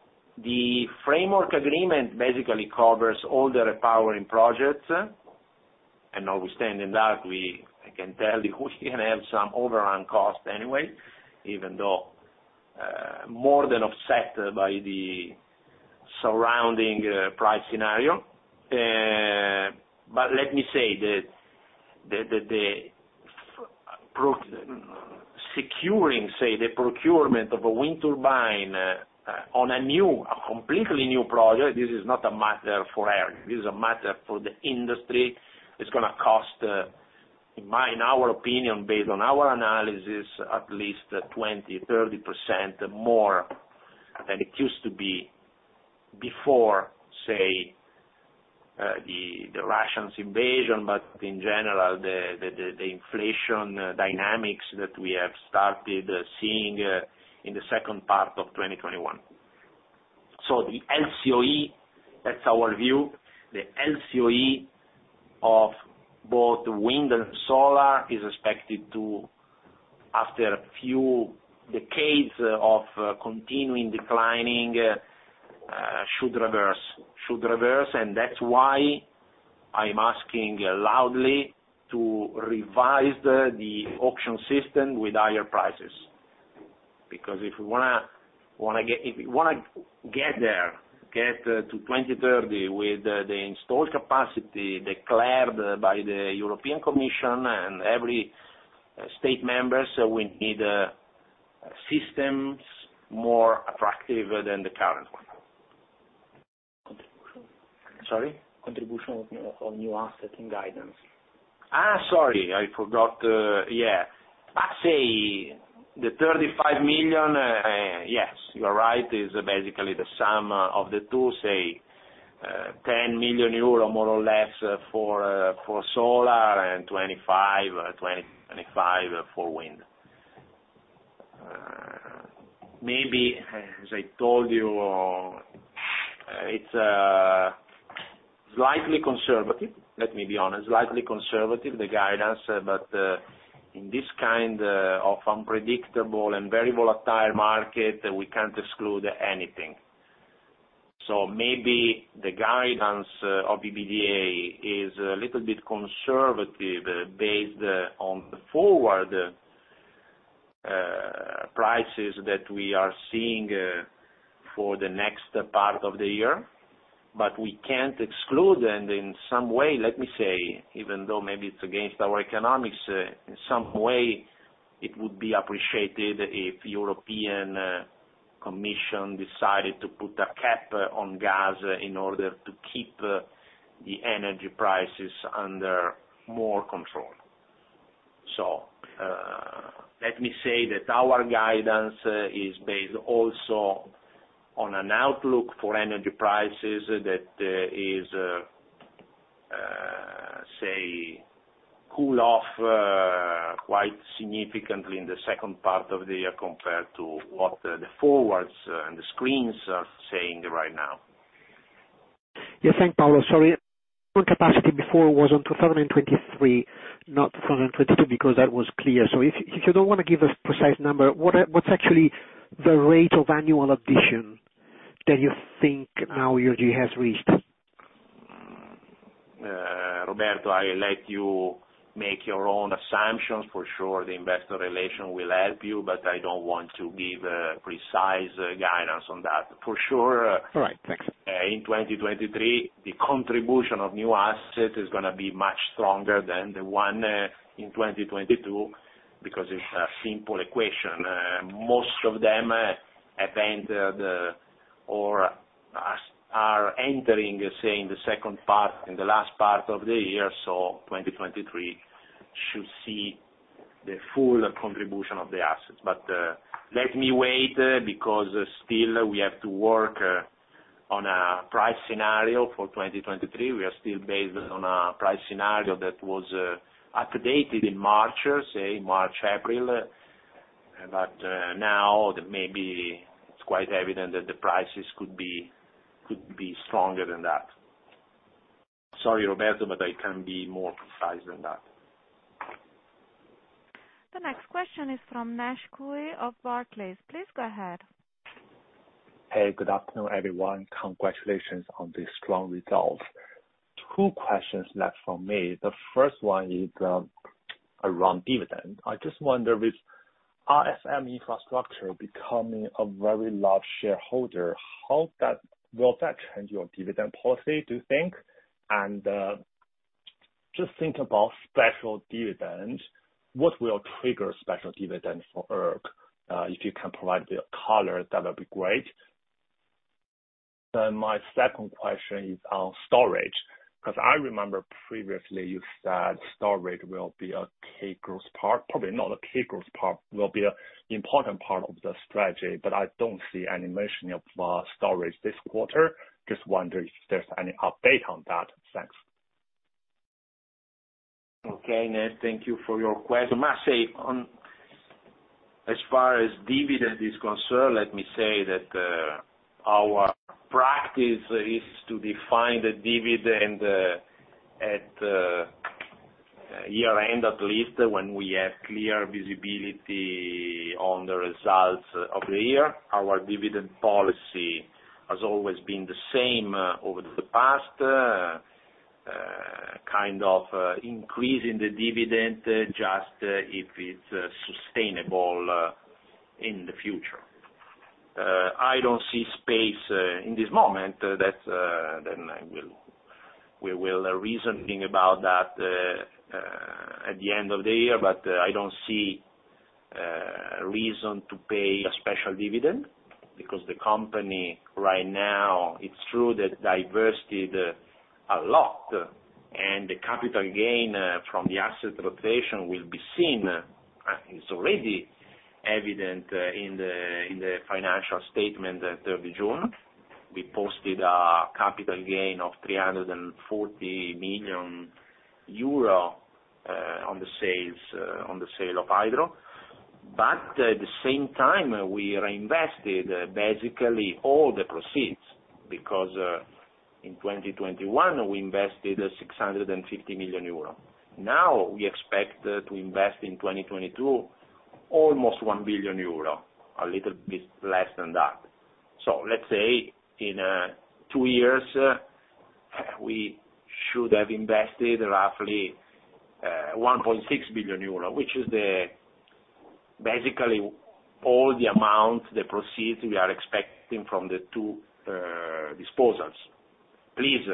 the framework agreement basically covers all the repowering projects. Notwithstanding that, we, I can tell you, we can have some overrun cost anyway, even though more than offset by the surrounding price scenario. Let me say that the procurement of a wind turbine on a completely new project, this is not a matter for Enel. This is a matter for the industry. It's gonna cost, in our opinion, based on our analysis, at least 20%-30% more than it used to be before, say, the Russian invasion, but in general, the inflation dynamics that we have started seeing, in the second part of 2021. The LCOE, that's our view, the LCOE of both wind and solar is expected to, after a few decades of continuously declining, should reverse, and that's why I'm asking loudly to revise the auction system with higher prices. Because if we wanna get there, to 2030 with the installed capacity declared by the European Commission and every member state, we need systems more attractive than the current one. Contribution. Sorry? Contribution of new asset and guidance. Sorry. I forgot. I say the 35 million, yes, you are right, is basically the sum of the two, say, 10 million euro, more or less for solar and 25 million for wind. Maybe, as I told you, it's slightly conservative, let me be honest, slightly conservative, the guidance, but in this kind of unpredictable and very volatile market, we can't exclude anything. Maybe the guidance of EBITDA is a little bit conservative based on the forward prices that we are seeing for the next part of the year, but we can't exclude and in some way, let me say, even though maybe it's against our economics, in some way it would be appreciated if European Commission decided to put a cap on gas in order to keep the energy prices under more control. Let me say that our guidance is based also on an outlook for energy prices that is say cool off quite significantly in the second part of the year compared to what the forwards and the screens are saying right now. Yes. Thanks, Paolo. Sorry. On capacity before was on 2023, not 2022, because that was clear. If you don't wanna give a precise number, what's actually the rate of annual addition that you think now ERG has reached? Roberto, I let you make your own assumptions. For sure, the investor relations will help you, but I don't want to give precise guidance on that. For sure. All right. Thanks In 2023, the contribution of new asset is gonna be much stronger than the one in 2022 because it's a simple equation. Most of them have entered or are entering, say, in the second part and the last part of the year. 2023 should see the full contribution of the assets. Let me wait, because still we have to work on a price scenario for 2023. We are still based on a price scenario that was updated in March, say March, April. Now that maybe it's quite evident that the prices could be stronger than that. Sorry, Roberto, but I can be more precise than that. The next question is from Nash Cui of Barclays. Please go ahead. Hey, good afternoon, everyone. Congratulations on the strong results. Two questions left from me. The first one is around dividend. I just wonder with RSM Infrastructure becoming a very large shareholder, how that will change your dividend policy, do you think? Just think about special dividends. What will trigger special dividends for ERG? If you can provide the color, that would be great. Then my second question is on storage, 'cause I remember previously you said storage will be a key growth part, probably not a key growth part, will be an important part of the strategy, but I don't see any mention of storage this quarter. Just wondering if there's any update on that. Thanks. Okay. Nash, thank you for your question. I must say as far as dividend is concerned, let me say that our practice is to define the dividend at year-end, at least, when we have clear visibility on the results of the year. Our dividend policy has always been the same over the past kind of increasing the dividend just if it's sustainable in the future. I don't see space in this moment that we will reason about that at the end of the year. But I don't see reason to pay a special dividend because the company right now, it's true that diversified a lot, and the capital gain from the asset rotation will be seen. It's already evident in the financial statement at 30 June. We posted a capital gain of 340 million euro on the sales, on the sale of Hydro. At the same time, we reinvested basically all the proceeds, because in 2021, we invested 650 million euro. Now, we expect to invest in 2022 almost 1 billion euro, a little bit less than that. Let's say, in two years, we should have invested roughly 1.6 billion euro, which is basically all the amount, the proceeds we are expecting from the two disposals. Please,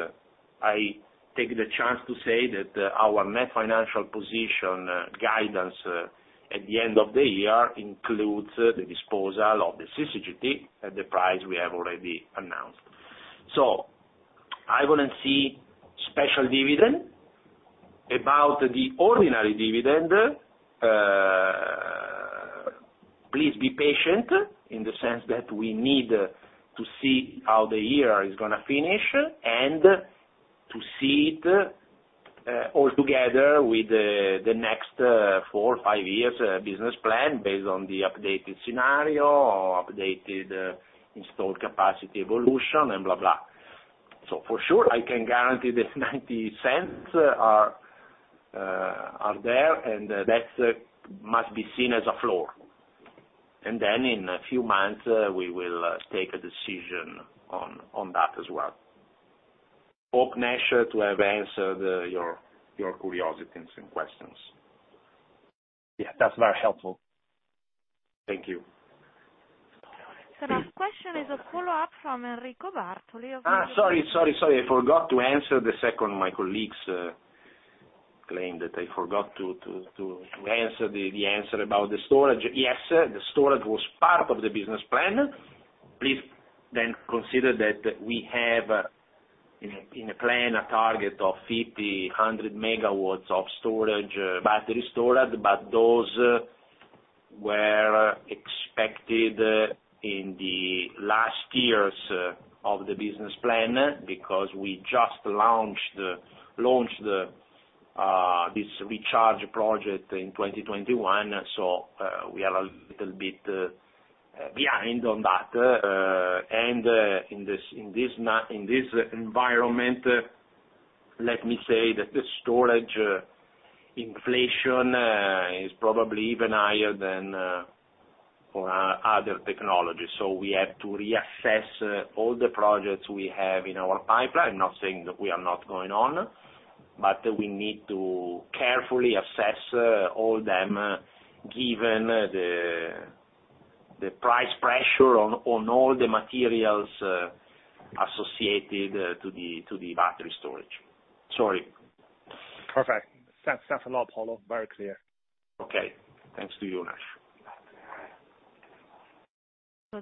I take the chance to say that our net financial position guidance at the end of the year includes the disposal of the CCGT at the price we have already announced. I wouldn't see special dividend. About the ordinary dividend, please be patient in the sense that we need to see how the year is gonna finish and to see it all together with the next four or five years business plan based on the updated scenario or updated installed capacity evolution and blah blah. For sure, I can guarantee that 0.90 are there, and that's must be seen as a floor. Then in a few months, we will take a decision on that as well. Hope, Nash, to have answered your curiosities and questions. Yeah, that's very helpful. Thank you. The last question is a follow-up from Enrico Bartoli of Mediobanca. Sorry. I forgot to answer the second. My colleagues claimed that I forgot to answer the answer about the storage. Yes, the storage was part of the business plan. Please then consider that we have in a plan a target of 500 MW of storage, battery storage, but those were expected in the last years of the business plan because we just launched this recharge project in 2021, so we are a little bit behind on that. In this environment, let me say that the storage inflation is probably even higher than for other technologies. We have to reassess all the projects we have in our pipeline. I'm not saying that we are not going on, but we need to carefully assess all of them, given the price pressure on all the materials associated to the battery storage. Sorry. Perfect. Thanks a lot, Paolo. Very clear. Okay. Thanks to you, Nash.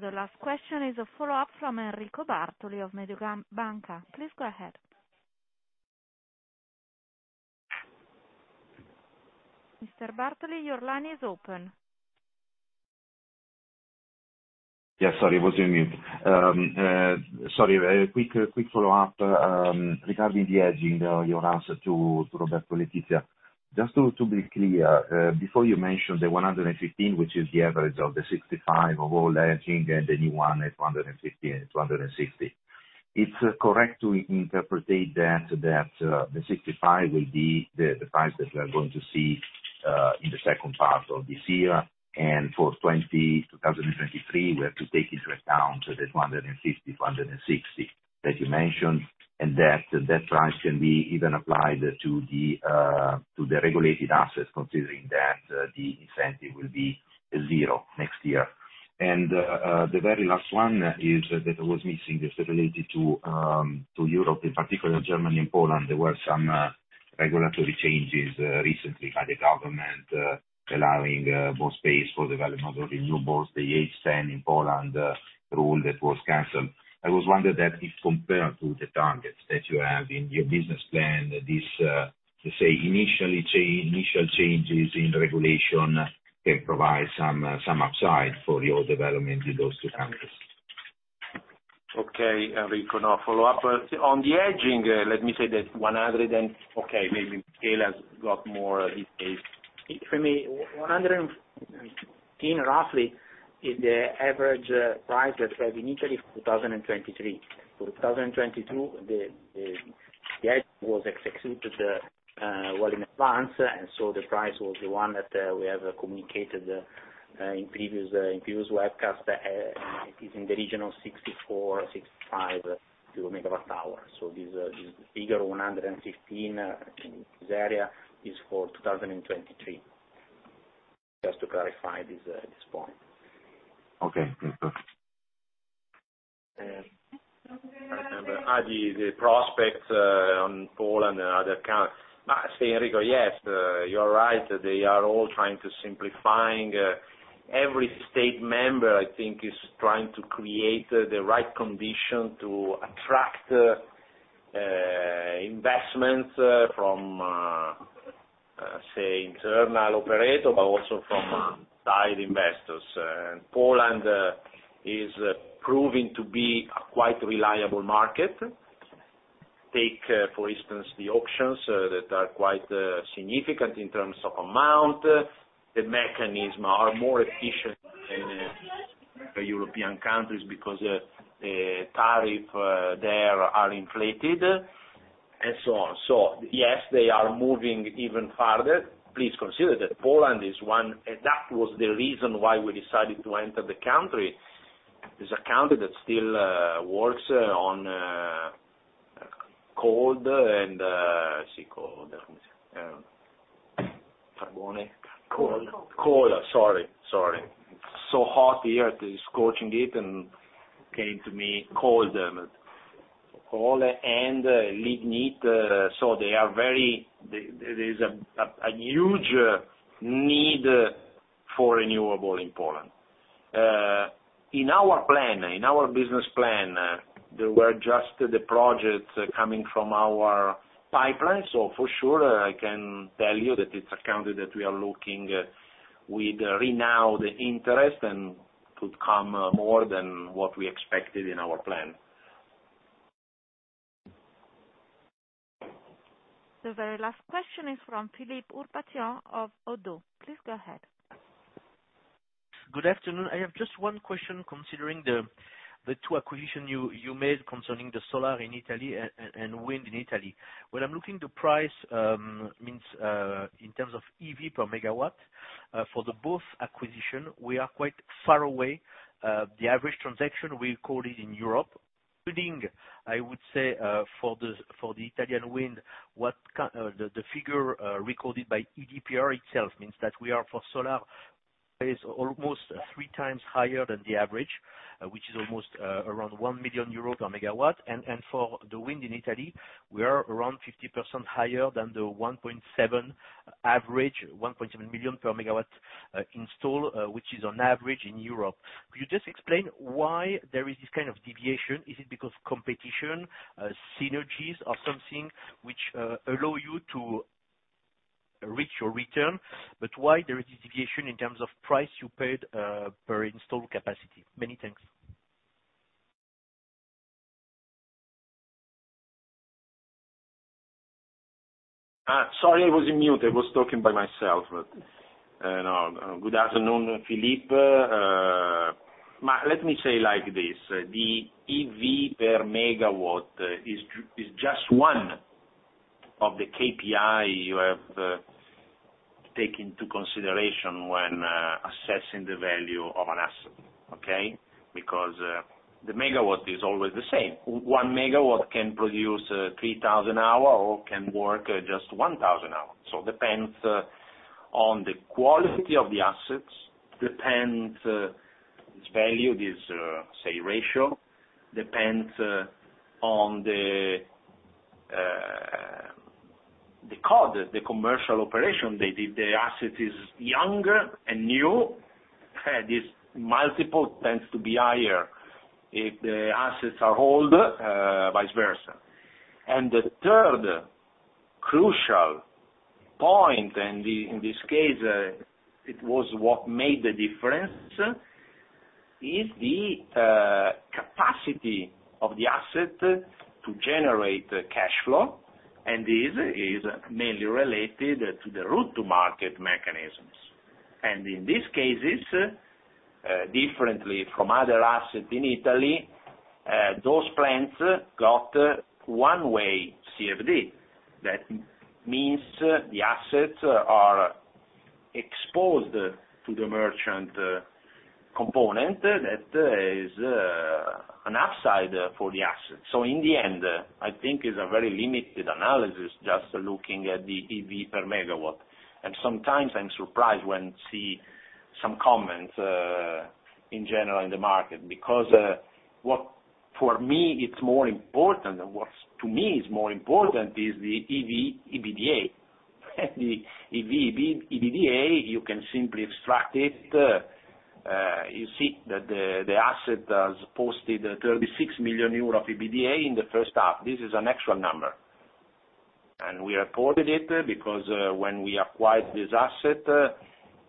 The last question is a follow-up from Enrico Bartoli of Mediobanca. Please go ahead. Mr. Bartoli, your line is open. Yeah, sorry. Was on mute. Sorry, a quick follow-up regarding the hedging, your answer to Roberto Letizia. Just to be clear, before you mentioned the 115, which is the average of the 65 of all hedging and the new one at 150 and 160. It's correct to interpret that the 65 will be the price that we are going to see in the second part of this year. For 2023, we have to take into account that 150-160 that you mentioned, and that price can be even applied to the regulated assets, considering that the incentive will be zero next year. The very last one is that I was missing this related to Europe, in particular Germany and Poland. There were some regulatory changes recently by the government allowing more space for development of renewables, the 10H rule in Poland, rule that was canceled. I was wondering that if compared to the targets that you have in your business plan, this initial changes in regulation can provide some upside for your development in those two countries. Okay, Enrico. Now follow up. On the hedging, let me say that. Okay, maybe scale has got more detail. For me, 115, roughly, is the average price that we have initially for 2023. For 2022, the hedge was executed well in advance, and so the price was the one that we have communicated in previous webcast. It is in the region of 64/MWh-65/MWh. This is bigger 115 in this area is for 2023. Just to clarify this point. Okay. Thanks. The prospects on Poland and other countries. Say, Enrico, yes, you're right. They are all trying to simplify. Every member state, I think, is trying to create the right conditions to attract investments from internal operators, but also from outside investors. Poland is proving to be a quite reliable market. Take, for instance, the auctions that are quite significant in terms of amount. The mechanisms are more efficient in the European countries because the tariffs there are inflated and so on. Yes, they are moving even further. Please consider that Poland is one. That was the reason why we decided to enter the country. It is a country that still works on coal and seeks to decarbonize. Coal. Sorry. It's so hot here. Coal and lignite. There's a huge need for renewable in Poland. In our plan, in our business plan, there were just the projects coming from our pipeline. For sure, I can tell you that it's a country that we are looking with renewed interest and could come more than what we expected in our plan. The very last question is from Philippe Ourpatian of ODDO. Please go ahead. Good afternoon. I have just one question considering the two acquisitions you made concerning the solar in Italy and wind in Italy. When I'm looking at the price, I mean, in terms of EV/MW for both acquisitions, we are quite far away. The average transaction we recorded in Europe, including, I would say, for the Italian wind, what the figure recorded by EDPR itself means that we are for solar is almost 3x higher than the average, which is almost around 1 million euros. For the wind in Italy, we are around 50% higher than the 1.7x average, 1.7/MW installed, which is on average in Europe. Could you just explain why there is this kind of deviation? Is it because competition, synergies or something which allow you to reach your return, but why there is this deviation in terms of price you paid, per installed capacity? Many thanks. Sorry, I was on mute. I was talking by myself. You know, good afternoon, Philippe. Let me say like this, the EV/MW is just one of the KPI you have take into consideration when assessing the value of an asset, okay? Because, the megawatt is always the same. 1 MW can produce 3,000 hours or can work just 1,000 hours. Depends on the quality of the assets, depends this value, this say ratio, depends on the COD, the commercial operation. The asset is younger and new, this multiple tends to be higher. If the assets are older, vice versa. The third crucial point, in this case, it was what made the difference, is the capacity of the asset to generate cash flow, and this is mainly related to the route to market mechanisms. In these cases, differently from other assets in Italy, those plants got one-way CFD. That means the assets are exposed to the merchant component. That is, an upside for the assets. In the end, I think it's a very limited analysis, just looking at the EV/MW. Sometimes I'm surprised when see some comments in general in the market because, for me, what's more important is the EV/EBITDA. The EV/EBITDA, you can simply extract it. You see that the asset has posted 36 million euro of EBITDA in the first half. This is an actual number, and we reported it because when we acquired this asset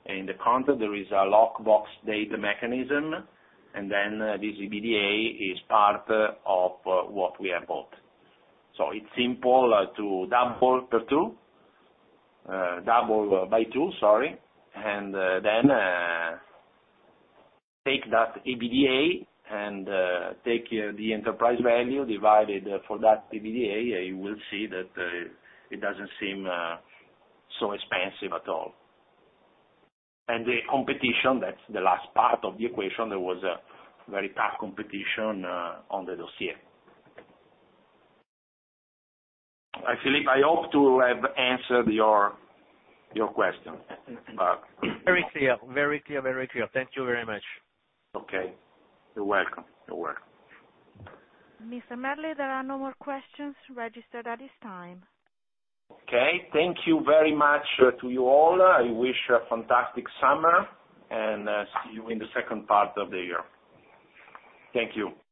in the contract, there is a locked box date mechanism, and then this EBITDA is part of what we have bought. It's simple to double by two, sorry. Take that EBITDA and the enterprise value divided for that EBITDA, you will see that it doesn't seem so expensive at all. The competition, that's the last part of the equation, there was a very tough competition on the dossier. Philippe, I hope to have answered your question, you know. Very clear. Thank you very much. Okay. You're welcome. Mr. Merli, there are no more questions registered at this time. Okay. Thank you very much, to you all. I wish a fantastic summer, and see you in the second part of the year. Thank you.